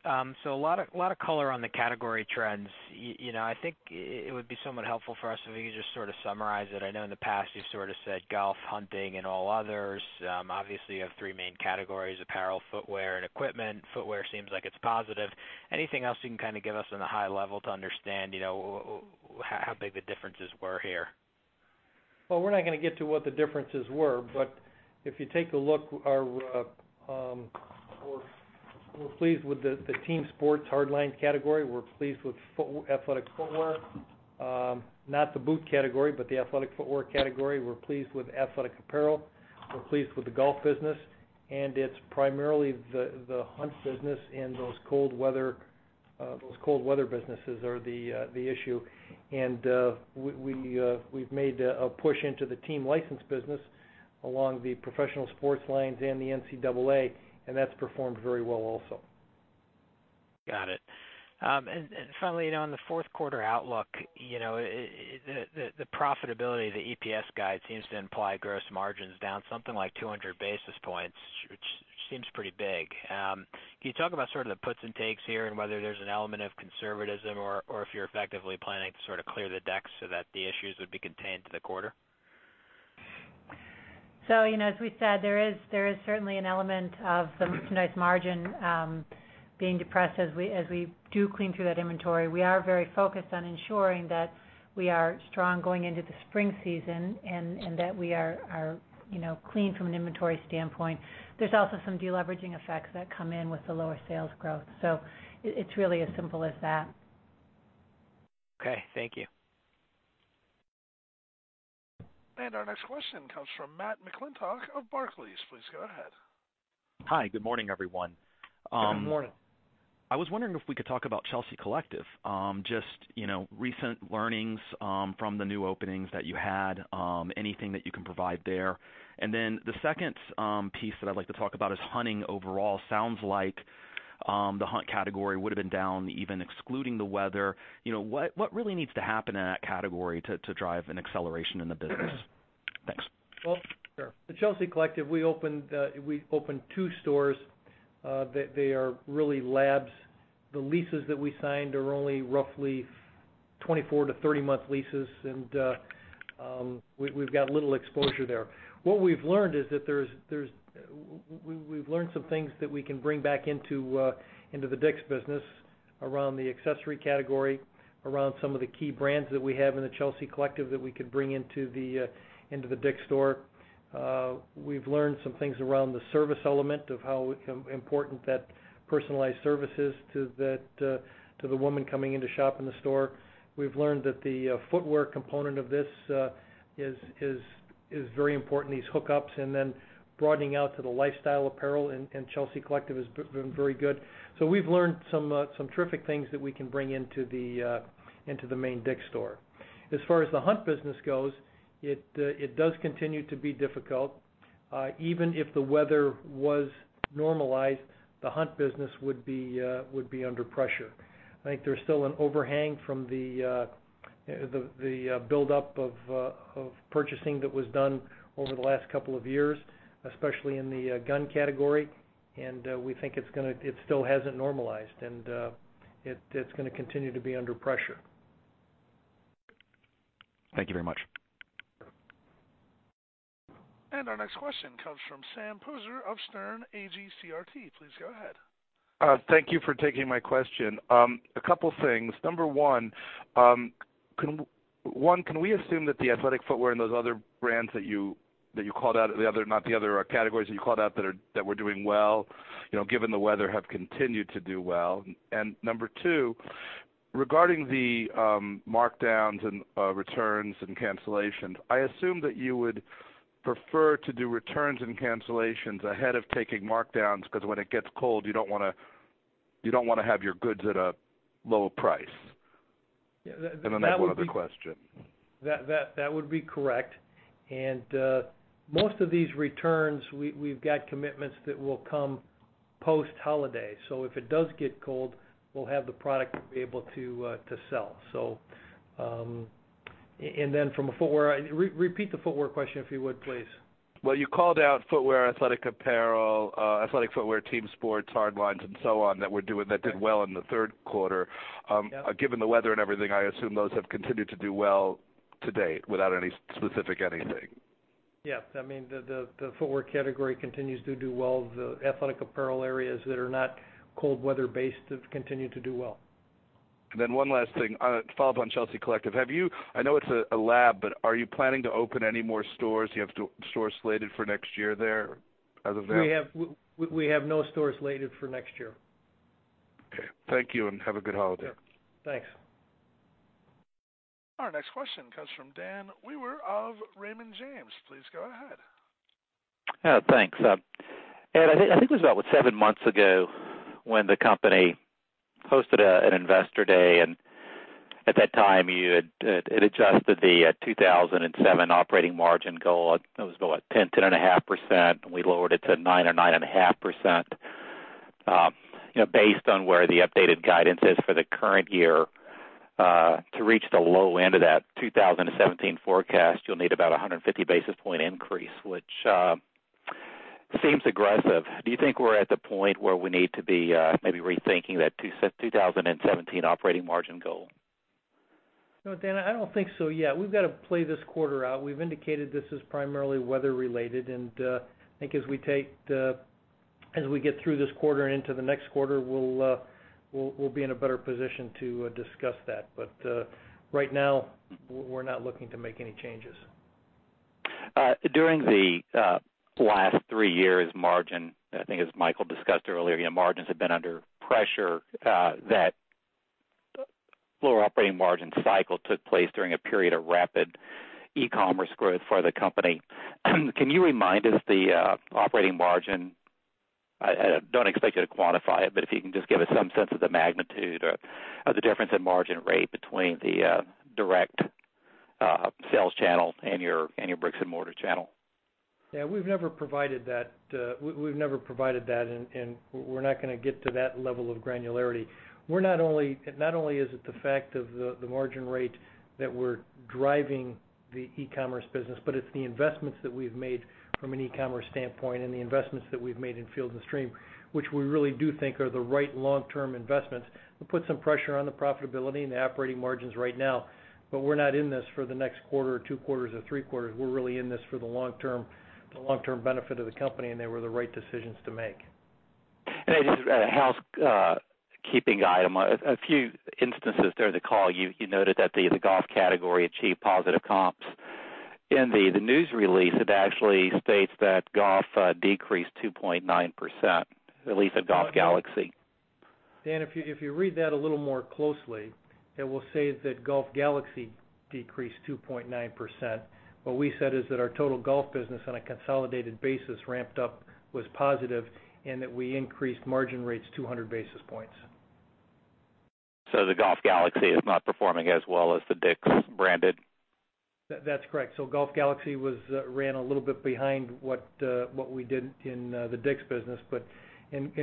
A lot of color on the category trends. I think it would be somewhat helpful for us if you could just sort of summarize it. I know in the past, you've sort of said golf, hunting and all others. Obviously, you have three main categories, apparel, footwear, and equipment. Footwear seems like it's positive. Anything else you can kind of give us on the high level to understand how big the differences were here? Well, we're not going to get to what the differences were, but if you take a look, we're pleased with the team sports hardlines category. We're pleased with athletic footwear. Not the boot category, but the athletic footwear category. We're pleased with athletic apparel. We're pleased with the golf business, and it's primarily the hunt business and those cold weather businesses are the issue. We've made a push into the team license business along the professional sports lanes and the NCAA, and that's performed very well also. Got it. Finally, on the fourth quarter outlook, the profitability, the EPS guide seems to imply gross margins down something like 200 basis points, which seems pretty big. Can you talk about sort of the puts and takes here and whether there's an element of conservatism or if you're effectively planning to sort of clear the decks so that the issues would be contained to the quarter? As we said, there's certainly an element of the merchandise margin being depressed as we do clean through that inventory. We are very focused on ensuring that we are strong going into the spring season and that we are clean from an inventory standpoint. There's also some de-leveraging effects that come in with the lower sales growth. It's really as simple as that. Okay. Thank you. Our next question comes from Matthew McClintock of Barclays. Please go ahead. Hi, good morning, everyone. Good morning. I was wondering if we could talk about Chelsea Collective. Just recent learnings from the new openings that you had, anything that you can provide there. The second piece that I'd like to talk about is hunting overall. Sounds like the hunt category would've been down even excluding the weather. What really needs to happen in that category to drive an acceleration in the business? Thanks. Well, sure. The Chelsea Collective, we opened two stores. They are really labs. The leases that we signed are only roughly 24- to 30-month leases, and we've got little exposure there. What we've learned is that we've learned some things that we can bring back into the DICK'S business around the accessory category, around some of the key brands that we have in the Chelsea Collective that we could bring into the DICK'S store. We've learned some things around the service element of how important that personalized service is to the woman coming in to shop in the store. We've learned that the footwear component of this is very important, these hookups, and then broadening out to the lifestyle apparel and Chelsea Collective has been very good. We've learned some terrific things that we can bring into the main DICK'S store. As far as the hunt business goes, it does continue to be difficult. Even if the weather was normalized, the hunt business would be under pressure. I think there's still an overhang from the buildup of purchasing that was done over the last couple of years, especially in the gun category. We think it still hasn't normalized, and it's going to continue to be under pressure. Thank you very much. Our next question comes from Sam Poser of Sterne Agee CRT. Please go ahead. Thank you for taking my question. A couple things. Number one, can we assume that the athletic footwear and those other brands that you called out, not the other categories that you called out that were doing well, given the weather, have continued to do well? Number two, regarding the markdowns and returns and cancellations, I assume that you would prefer to do returns and cancellations ahead of taking markdowns because when it gets cold, you don't want to have your goods at a low price. I have one other question. That would be correct. Most of these returns, we've got commitments that will come post-holiday. If it does get cold, we'll have the product to be able to sell. Repeat the footwear question if you would, please. You called out footwear, athletic apparel, athletic footwear, team sports, hardlines, and so on that did well in the third quarter. Yeah. Given the weather and everything, I assume those have continued to do well to date without any specific anything. Yes. The footwear category continues to do well. The athletic apparel areas that are not cold weather based have continued to do well. One last thing. To follow up on Chelsea Collective, I know it's a lab, are you planning to open any more stores? Do you have stores slated for next year there other than. We have no stores slated for next year. Okay. Thank you and have a good holiday. Yeah. Thanks. Our next question comes from Dan Wewer of Raymond James. Please go ahead. Thanks. Ed, I think it was about seven months ago when the company hosted an investor day, at that time, it adjusted the 2007 operating margin goal. It was about 10%, 10.5%, and we lowered it to 9% or 9.5%. Based on where the updated guidance is for the current year, to reach the low end of that 2017 forecast, you'll need about 150 basis point increase, which seems aggressive. Do you think we're at the point where we need to be maybe rethinking that 2017 operating margin goal? No, Dan, I don't think so yet. We've got to play this quarter out. We've indicated this is primarily weather related, I think as we get through this quarter and into the next quarter, we'll be in a better position to discuss that. Right now, we're not looking to make any changes. During the last three years, margin, I think as Michael discussed earlier, margins have been under pressure. That lower operating margin cycle took place during a period of rapid e-commerce growth for the company. Can you remind us the operating margin? I don't expect you to quantify it, but if you can just give us some sense of the magnitude of the difference in margin rate between the direct sales channel and your bricks and mortar channel. Yeah, we've never provided that, we're not going to get to that level of granularity. Not only is it the fact of the margin rate that we're driving the e-commerce business, but it's the investments that we've made from an e-commerce standpoint and the investments that we've made in Field & Stream, which we really do think are the right long-term investments. We put some pressure on the profitability and the operating margins right now, we're not in this for the next quarter or two quarters or three quarters. We're really in this for the long-term benefit of the company, they were the right decisions to make. Hey, just a housekeeping item. A few instances during the call, you noted that the golf category achieved positive comps. In the news release, it actually states that golf decreased 2.9%, at least at Golf Galaxy. Dan, if you read that a little more closely, it will say that Golf Galaxy decreased 2.9%. What we said is that our total golf business on a consolidated basis ramped up was positive and that we increased margin rates 200 basis points. The Golf Galaxy is not performing as well as the DICK'S branded. That's correct. Golf Galaxy ran a little bit behind what we did in the DICK'S business.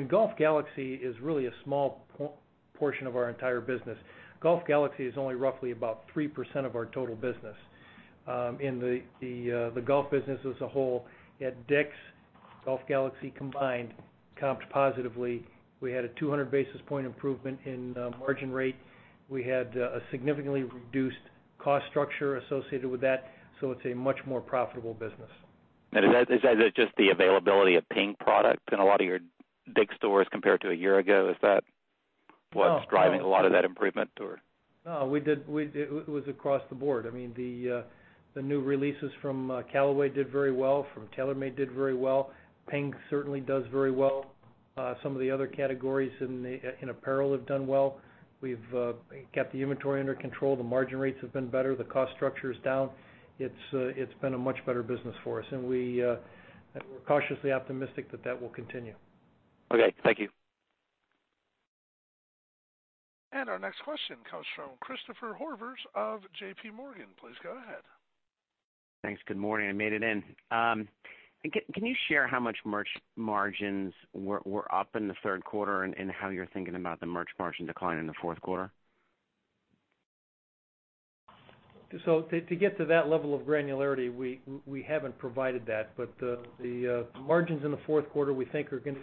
Golf Galaxy is really a small portion of our entire business. Golf Galaxy is only roughly about 3% of our total business. In the golf business as a whole, at DICK'S, Golf Galaxy combined comped positively. We had a 200 basis point improvement in margin rate. We had a significantly reduced cost structure associated with that. It's a much more profitable business. Is that just the availability of Ping product in a lot of your DICK'S stores compared to a year ago? Is that? No What's driving a lot of that improvement or? No, it was across the board. The new releases from Callaway did very well, from TaylorMade did very well. Ping certainly does very well. Some of the other categories in apparel have done well. We've kept the inventory under control. The margin rates have been better. The cost structure is down. It's been a much better business for us, and we're cautiously optimistic that that will continue. Okay. Thank you. Our next question comes from Christopher Horvers of J.P. Morgan. Please go ahead. Thanks. Good morning. I made it in. Can you share how much merch margins were up in the third quarter and how you're thinking about the merch margin decline in the fourth quarter? To get to that level of granularity, we haven't provided that, but the margins in the fourth quarter, we think, are going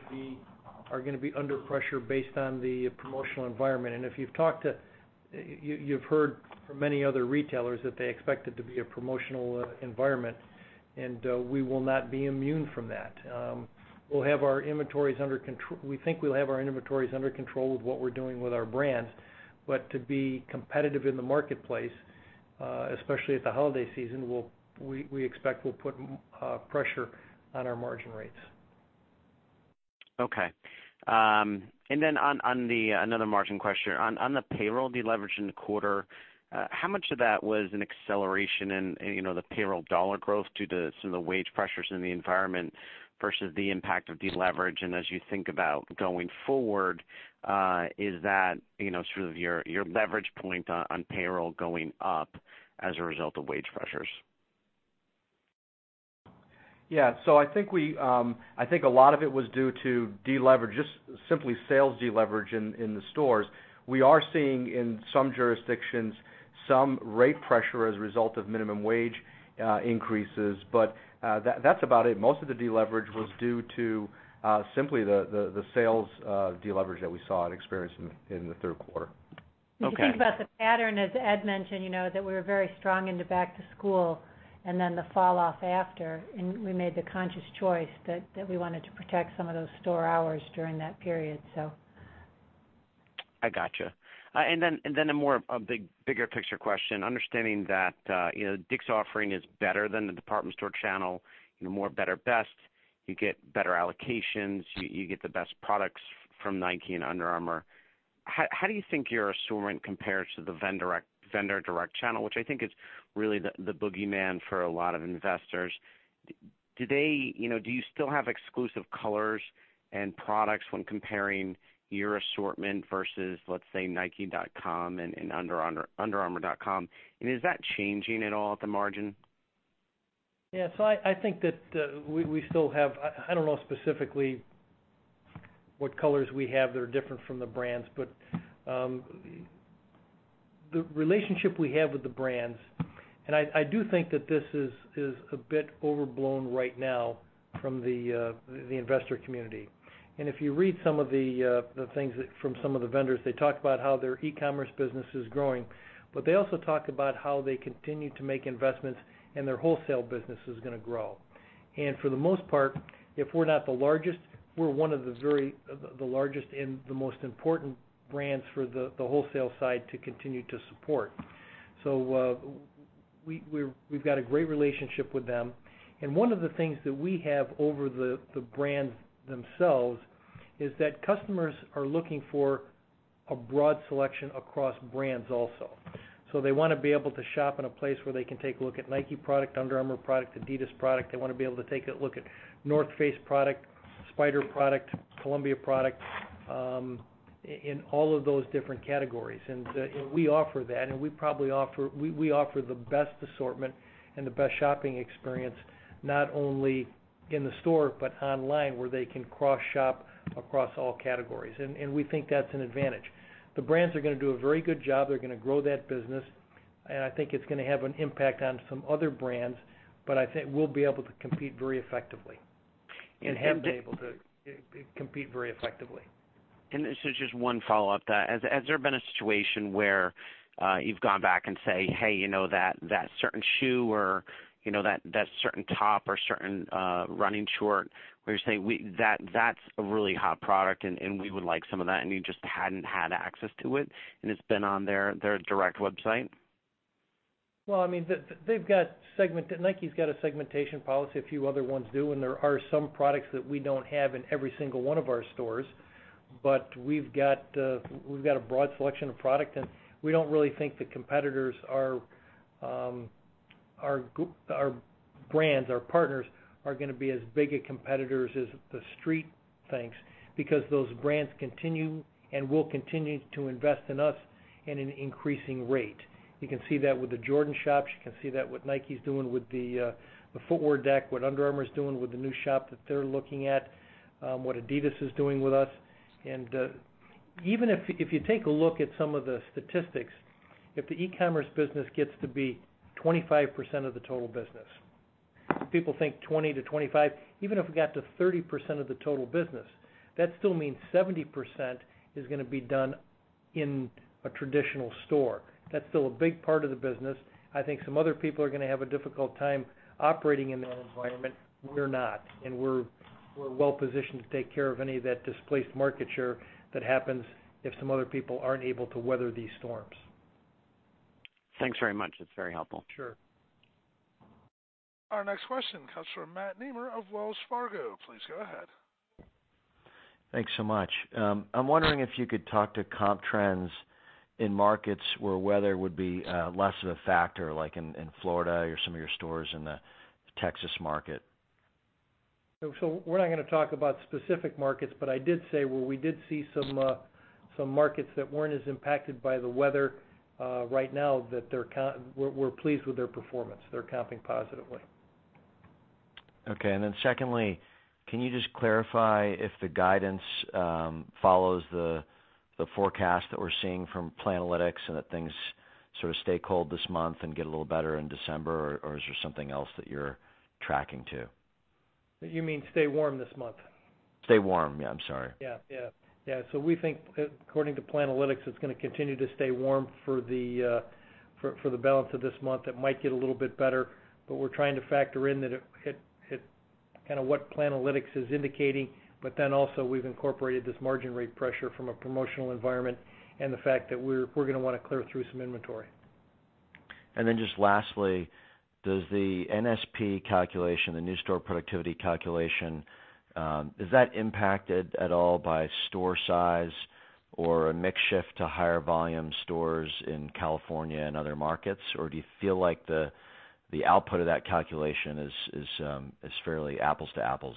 to be under pressure based on the promotional environment. If you've heard from many other retailers that they expect it to be a promotional environment, and we will not be immune from that. We think we'll have our inventories under control with what we're doing with our brands. To be competitive in the marketplace, especially at the holiday season, we expect we'll put pressure on our margin rates. Okay. Then another margin question. On the payroll deleverage in the quarter, how much of that was an acceleration in the payroll dollar growth due to some of the wage pressures in the environment versus the impact of deleverage? As you think about going forward, is that sort of your leverage point on payroll going up as a result of wage pressures? Yeah. I think a lot of it was due to deleverage, just simply sales deleverage in the stores. We are seeing in some jurisdictions, some rate pressure as a result of minimum wage increases, but that's about it. Most of the deleverage was due to simply the sales deleverage that we saw and experienced in the third quarter. Okay. If you think about the pattern, as Ed mentioned, that we were very strong in the back to school then the fall off after, and we made the conscious choice that we wanted to protect some of those store hours during that period. I got you. Then a more bigger picture question, understanding that DICK'S offering is better than the department store channel, more better best, you get better allocations, you get the best products from Nike and Under Armour. How do you think your assortment compares to the vendor direct channel, which I think is really the boogeyman for a lot of investors. Do you still have exclusive colors and products when comparing your assortment versus, let's say, nike.com and underarmour.com? Is that changing at all at the margin? Yeah. I think that we still have I don't know specifically what colors we have that are different from the brands, but the relationship we have with the brands, I do think that this is a bit overblown right now from the investor community. If you read some of the things from some of the vendors, they talk about how their e-commerce business is growing, they also talk about how they continue to make investments their wholesale business is going to grow. For the most part, if we're not the largest, we're one of the largest and the most important brands for the wholesale side to continue to support. We've got a great relationship with them. One of the things that we have over the brands themselves is that customers are looking for a broad selection across brands also. They want to be able to shop in a place where they can take a look at Nike product, Under Armour product, Adidas product. They want to be able to take a look at North Face product, Spyder product, Columbia product, in all of those different categories. We offer that, and we offer the best assortment and the best shopping experience, not only in the store, but online, where they can cross-shop across all categories. We think that's an advantage. The brands are going to do a very good job. They're going to grow that business, and I think it's going to have an impact on some other brands, but I think we'll be able to compete very effectively, and have been able to compete very effectively. Just one follow up to that. Has there been a situation where you've gone back and say, "Hey, that certain shoe or that certain top or certain running short," where you say, "That's a really hot product, and we would like some of that," and you just hadn't had access to it, and it's been on their direct website? Well, Nike's got a segmentation policy, a few other ones do, and there are some products that we don't have in every single one of our stores. We've got a broad selection of product, and we don't really think the competitors are brands. Our partners are going to be as big a competitors as the street thinks because those brands continue and will continue to invest in us at an increasing rate. You can see that with the Jordan shops. You can see that what Nike's doing with the footwear deck, what Under Armour's doing with the new shop that they're looking at, what Adidas is doing with us. Even if you take a look at some of the statistics, if the e-commerce business gets to be 25% of the total business. People think 20%-25%. Even if it got to 30% of the total business, that still means 70% is going to be done in a traditional store. That's still a big part of the business. I think some other people are going to have a difficult time operating in that environment. We're not, and we're well positioned to take care of any of that displaced market share that happens if some other people aren't able to weather these storms. Thanks very much. That's very helpful. Sure. Our next question comes from Matt Nemer of Wells Fargo. Please go ahead. Thanks so much. I'm wondering if you could talk to comp trends in markets where weather would be less of a factor, like in Florida or some of your stores in the Texas market. We're not going to talk about specific markets, but I did say where we did see some markets that weren't as impacted by the weather right now that we're pleased with their performance. They're comping positively. Okay, secondly, can you just clarify if the guidance follows the forecast that we're seeing from Planalytics and that things sort of stay cold this month and get a little better in December? Or is there something else that you're tracking to? You mean stay warm this month? Stay warm. Yeah, I'm sorry. Yeah. We think according to Planalytics, it's going to continue to stay warm for the balance of this month. It might get a little bit better, also, we've incorporated this margin rate pressure from a promotional environment and the fact that we're going to want to clear through some inventory. Lastly, does the NSP calculation, the new store productivity calculation, is that impacted at all by store size or a mix shift to higher volume stores in California and other markets? Or do you feel like the output of that calculation is fairly apples to apples?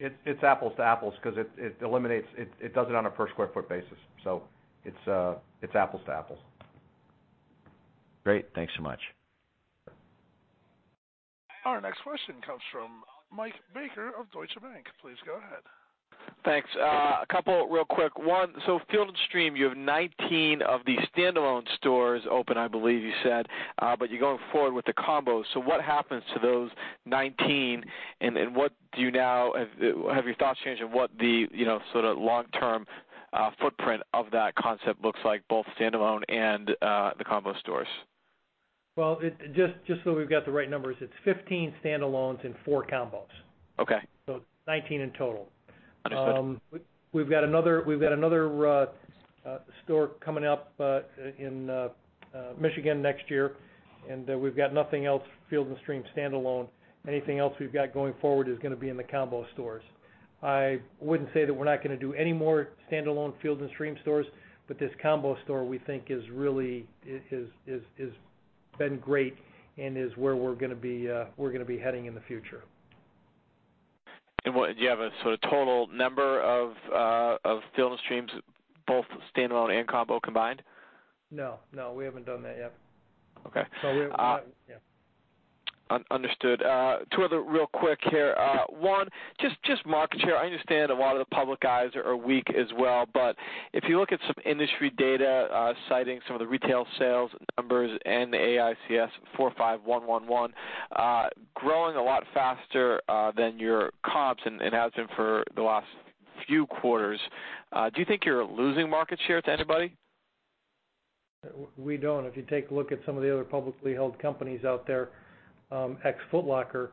It's apples to apples because it does it on a per square foot basis, so it's apples to apples. Great. Thanks so much. Our next question comes from Michael Baker of Deutsche Bank. Please go ahead. Thanks. A couple real quick. One, Field & Stream, you have 19 of the standalone stores open, I believe you said, but you're going forward with the combo. What happens to those 19, and have your thoughts changed on what the sort of long-term footprint of that concept looks like, both standalone and the combo stores? Well, just so we've got the right numbers, it's 15 standalones and four combos. Okay. 19 in total. Understood. We've got another store coming up in Michigan next year, and we've got nothing else Field & Stream standalone. Anything else we've got going forward is going to be in the combo stores. I wouldn't say that we're not going to do any more standalone Field & Stream stores, but this combo store we think has really been great and is where we're going to be heading in the future. Do you have a sort of total number of Field & Stream, both standalone and combo combined? No, we haven't done that yet. Okay. We have not Yeah. Understood. Two other real quick here. One, just market share. I understand a lot of the public guys are weak as well, but if you look at some industry data, citing some of the retail sales numbers and the NAICS 45111 growing a lot faster than your comps and has been for the last few quarters. Do you think you're losing market share to anybody? We don't. If you take a look at some of the other publicly held companies out there, ex Foot Locker,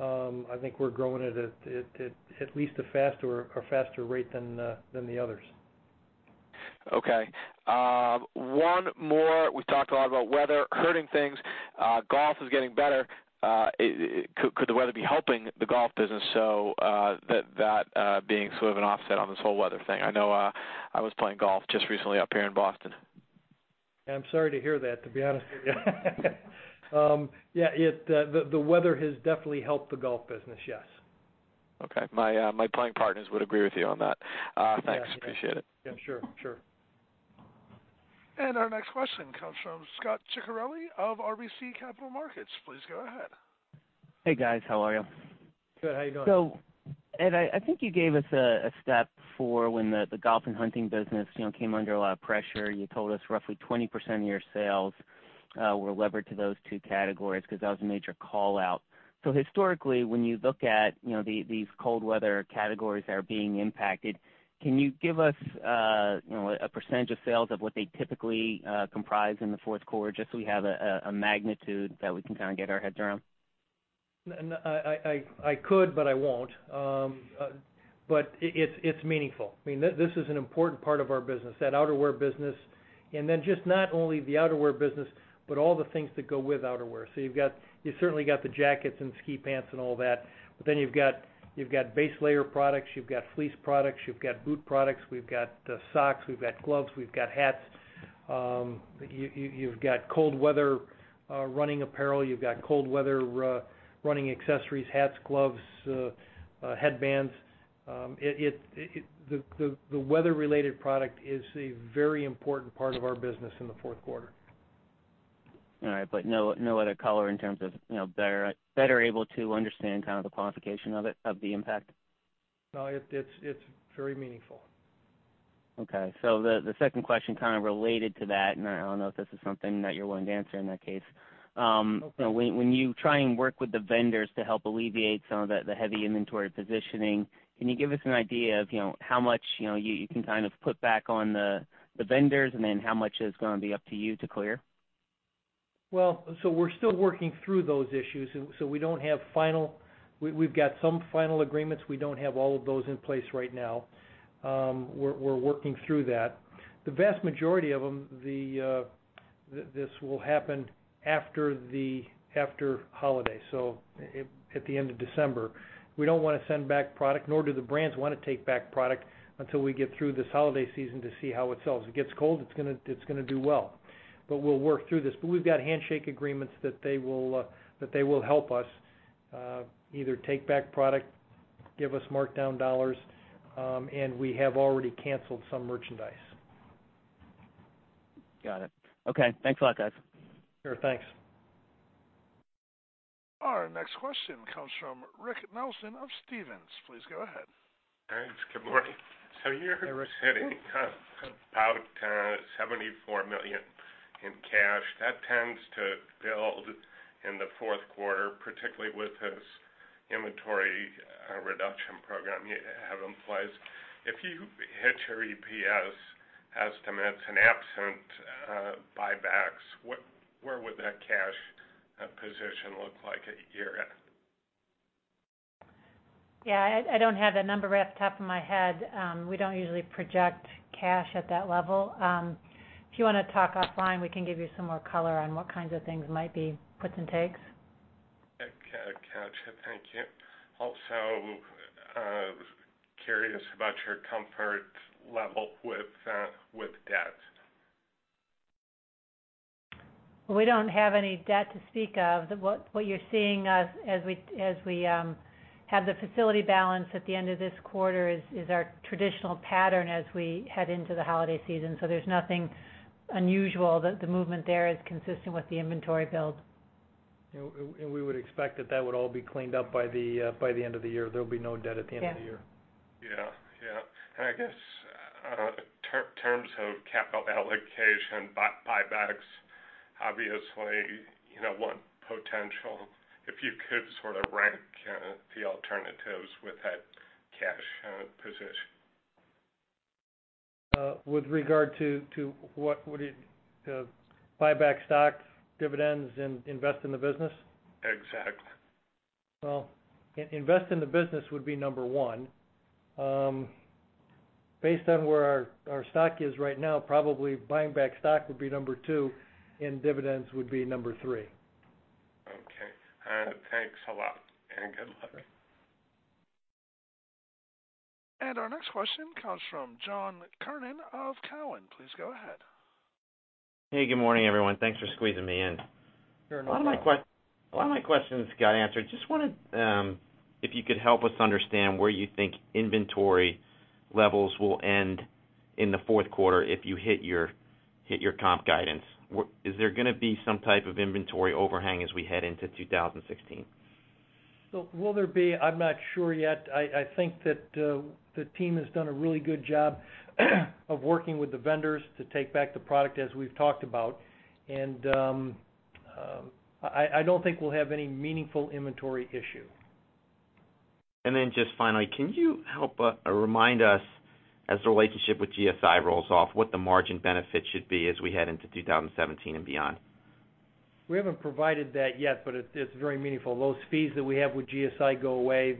I think we're growing at least a faster rate than the others. Okay. One more. We've talked a lot about weather hurting things. Golf is getting better. Could the weather be helping the golf business so that being sort of an offset on this whole weather thing? I know I was playing golf just recently up here in Boston. I'm sorry to hear that, to be honest with you. Yeah, the weather has definitely helped the golf business, yes. Okay. My playing partners would agree with you on that. Thanks. Appreciate it. Yeah, sure. Our next question comes from Scot Ciccarelli of RBC Capital Markets. Please go ahead. Hey, guys. How are you? Good. How you doing? Ed, I think you gave us a step for when the golf and hunting business came under a lot of pressure. You told us roughly 20% of your sales were levered to those two categories because that was a major call-out. Historically, when you look at these cold weather categories that are being impacted, can you give us a percentage of sales of what they typically comprise in the fourth quarter, just so we have a magnitude that we can kind of get our heads around? I could, but I won't. It's meaningful. I mean, this is an important part of our business, that outerwear business. Just not only the outerwear business, but all the things that go with outerwear. You've certainly got the jackets and ski pants and all that, you've got base layer products, you've got fleece products, you've got boot products, we've got socks, we've got gloves, we've got hats. You've got cold weather running apparel, you've got cold weather running accessories, hats, gloves, headbands. The weather-related product is a very important part of our business in the fourth quarter. All right, no other color in terms of better able to understand kind of the quantification of it, of the impact? No, it's very meaningful. Okay. The second question kind of related to that, and I don't know if this is something that you're willing to answer in that case. Okay. When you try and work with the vendors to help alleviate some of the heavy inventory positioning, can you give us an idea of how much you can kind of put back on the vendors and then how much is going to be up to you to clear? Well, we're still working through those issues, so We've got some final agreements. We don't have all of those in place right now. We're working through that. The vast majority of them, this will happen after holiday. At the end of December. We don't want to send back product, nor do the brands want to take back product until we get through this holiday season to see how it sells. If it gets cold, it's going to do well. But we'll work through this. But we've got handshake agreements that they will help us either take back product, give us markdown dollars, and we have already canceled some merchandise. Got it. Okay. Thanks a lot, guys. Sure. Thanks. Our next question comes from Rick Nelson of Stephens. Please go ahead. Thanks. Good morning. Hey, Rick. You're sitting about $74 million in cash. That tends to build in the fourth quarter, particularly with this inventory reduction program you have in place. If you hit your EPS estimates and absent buybacks, where would that cash position look like at year-end? Yeah. I don't have that number right off the top of my head. We don't usually project cash at that level. If you want to talk offline, we can give you some more color on what kinds of things might be puts and takes. Gotcha. Thank you. Curious about your comfort level with debt. We don't have any debt to speak of. What you're seeing as we have the facility balance at the end of this quarter is our traditional pattern as we head into the holiday season. There's nothing unusual. The movement there is consistent with the inventory build. We would expect that that would all be cleaned up by the end of the year. There'll be no debt at the end of the year. Yeah. Yeah. I guess, terms of capital allocation, buybacks, obviously, one potential. If you could sort of rank the alternatives with that cash position. With regard to what would buy back stock, dividends, and invest in the business? Exactly. Well, invest in the business would be number one. Based on where our stock is right now, probably buying back stock would be number two, and dividends would be number three. Okay. Thanks a lot, good luck. Our next question comes from John Kernan of Cowen. Please go ahead. Hey, good morning, everyone. Thanks for squeezing me in. You're welcome. A lot of my questions got answered. Just wondered if you could help us understand where you think inventory levels will end in the fourth quarter if you hit your comp guidance. Is there going to be some type of inventory overhang as we head into 2016? Will there be? I'm not sure yet. I think that the team has done a really good job of working with the vendors to take back the product, as we've talked about. I don't think we'll have any meaningful inventory issue. Just finally, can you help remind us, as the relationship with GSI rolls off, what the margin benefit should be as we head into 2017 and beyond? We haven't provided that yet, it's very meaningful. Those fees that we have with GSI go away.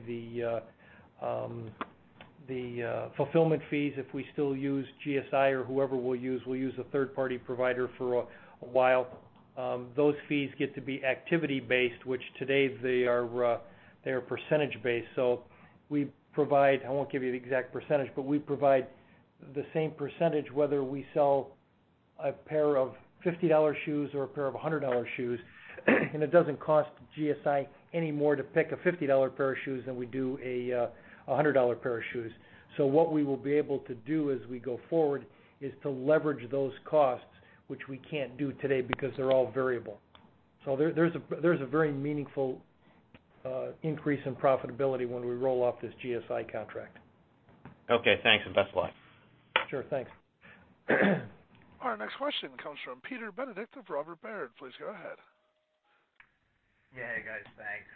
The fulfillment fees, if we still use GSI or whoever we'll use, we'll use a third-party provider for a while. Those fees get to be activity-based, which today they are percentage-based. We provide, I won't give you the exact percentage, but we provide the same percentage whether we sell a pair of $50 shoes or a pair of $100 shoes. It doesn't cost GSI any more to pick a $50 pair of shoes than we do a $100 pair of shoes. What we will be able to do as we go forward is to leverage those costs, which we can't do today because they're all variable. There's a very meaningful increase in profitability when we roll off this GSI contract. Okay, thanks, and best of luck. Sure. Thanks. Our next question comes from Peter Benedict of Robert Baird. Please go ahead. Yeah. Hey, guys. Thanks.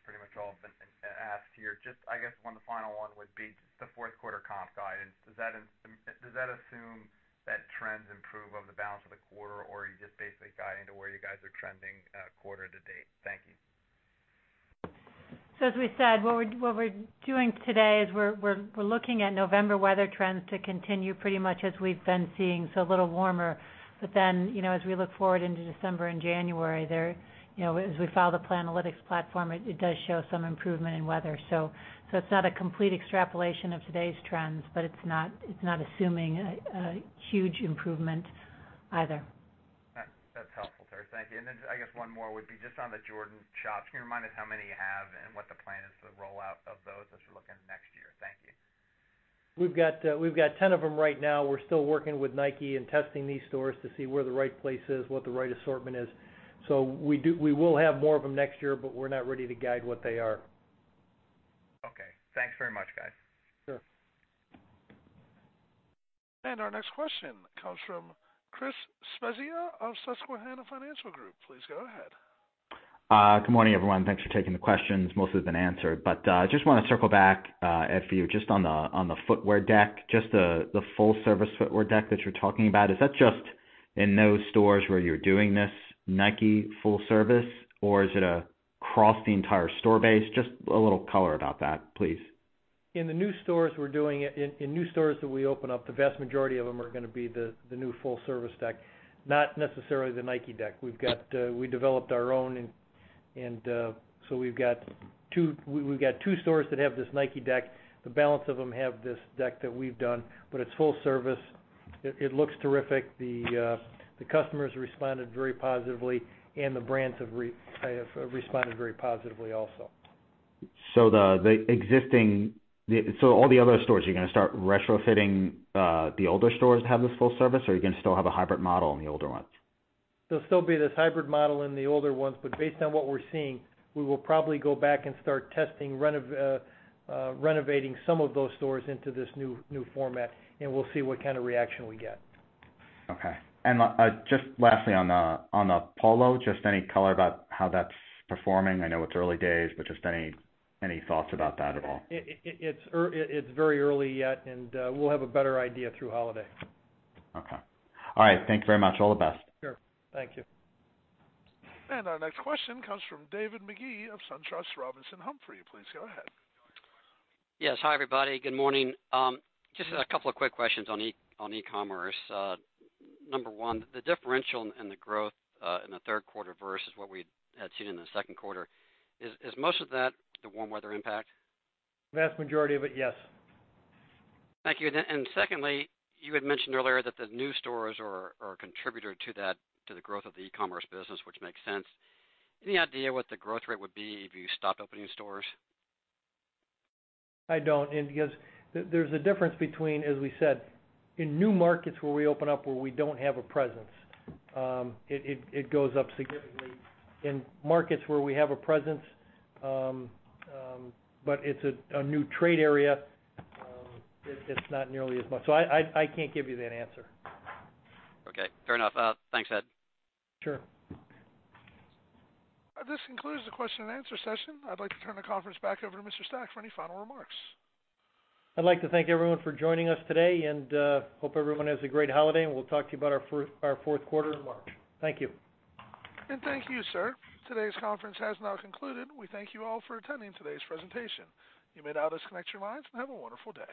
Pretty much all has been asked here. Just, I guess, one final one would be the fourth quarter comp guidance. Does that assume that trends improve over the balance of the quarter, or are you just basically guiding to where you guys are trending quarter to date? Thank you. As we said, what we're doing today is we're looking at November weather trends to continue pretty much as we've been seeing, a little warmer. As we look forward into December and January, as we file the Planalytics platform, it does show some improvement in weather. It's not a complete extrapolation of today's trends, but it's not assuming a huge improvement either. That's helpful, Teri. Thank you. I guess one more would be just on the Jordan shops. Can you remind us how many you have and what the plan is for the rollout of those as you're looking next year? Thank you. We've got 10 of them right now. We're still working with Nike and testing these stores to see where the right place is, what the right assortment is. We will have more of them next year, but we're not ready to guide what they are. Okay. Thanks very much, guys. Sure. Our next question comes from Christopher Svezia of Susquehanna Financial Group. Please go ahead. Good morning, everyone. Thanks for taking the questions. Most have been answered. Just want to circle back, Ed, for you, just on the footwear deck, just the full-service footwear deck that you're talking about. Is that just in those stores where you're doing this Nike full service, or is it across the entire store base? Just a little color about that, please. In the new stores we're doing it. In new stores that we open up, the vast majority of them are going to be the new full-service deck, not necessarily the Nike deck. We developed our own. We've got two stores that have this Nike deck. The balance of them have this deck that we've done, but it's full service. It looks terrific. The customers responded very positively, and the brands have responded very positively also. All the other stores, you're going to start retrofitting the older stores to have this full service? Or are you going to still have a hybrid model in the older ones? There'll still be this hybrid model in the older ones, but based on what we're seeing, we will probably go back and start testing renovating some of those stores into this new format, and we'll see what kind of reaction we get. Okay. Just lastly on the Polo, just any color about how that's performing? I know it's early days, but just any thoughts about that at all? It's very early yet, and we'll have a better idea through holiday. Okay. All right. Thank you very much. All the best. Sure. Thank you. Our next question comes from David Magee of SunTrust Robinson Humphrey. Please go ahead. Yes. Hi, everybody. Good morning. Just a couple of quick questions on e-commerce. Number 1, the differential and the growth in the third quarter versus what we had seen in the second quarter, is most of that the warm weather impact? Vast majority of it, yes. Thank you. Secondly, you had mentioned earlier that the new stores are a contributor to the growth of the e-commerce business, which makes sense. Any idea what the growth rate would be if you stopped opening stores? I don't. Because there's a difference between, as we said, in new markets where we open up where we don't have a presence. It goes up significantly. In markets where we have a presence but it's a new trade area, it's not nearly as much. I can't give you that answer. Okay. Fair enough. Thanks, Ed. Sure. This concludes the question and answer session. I'd like to turn the conference back over to Mr. Stack for any final remarks. I'd like to thank everyone for joining us today and hope everyone has a great holiday, and we'll talk to you about our fourth quarter in March. Thank you. Thank you, sir. Today's conference has now concluded. We thank you all for attending today's presentation. You may now disconnect your lines and have a wonderful day.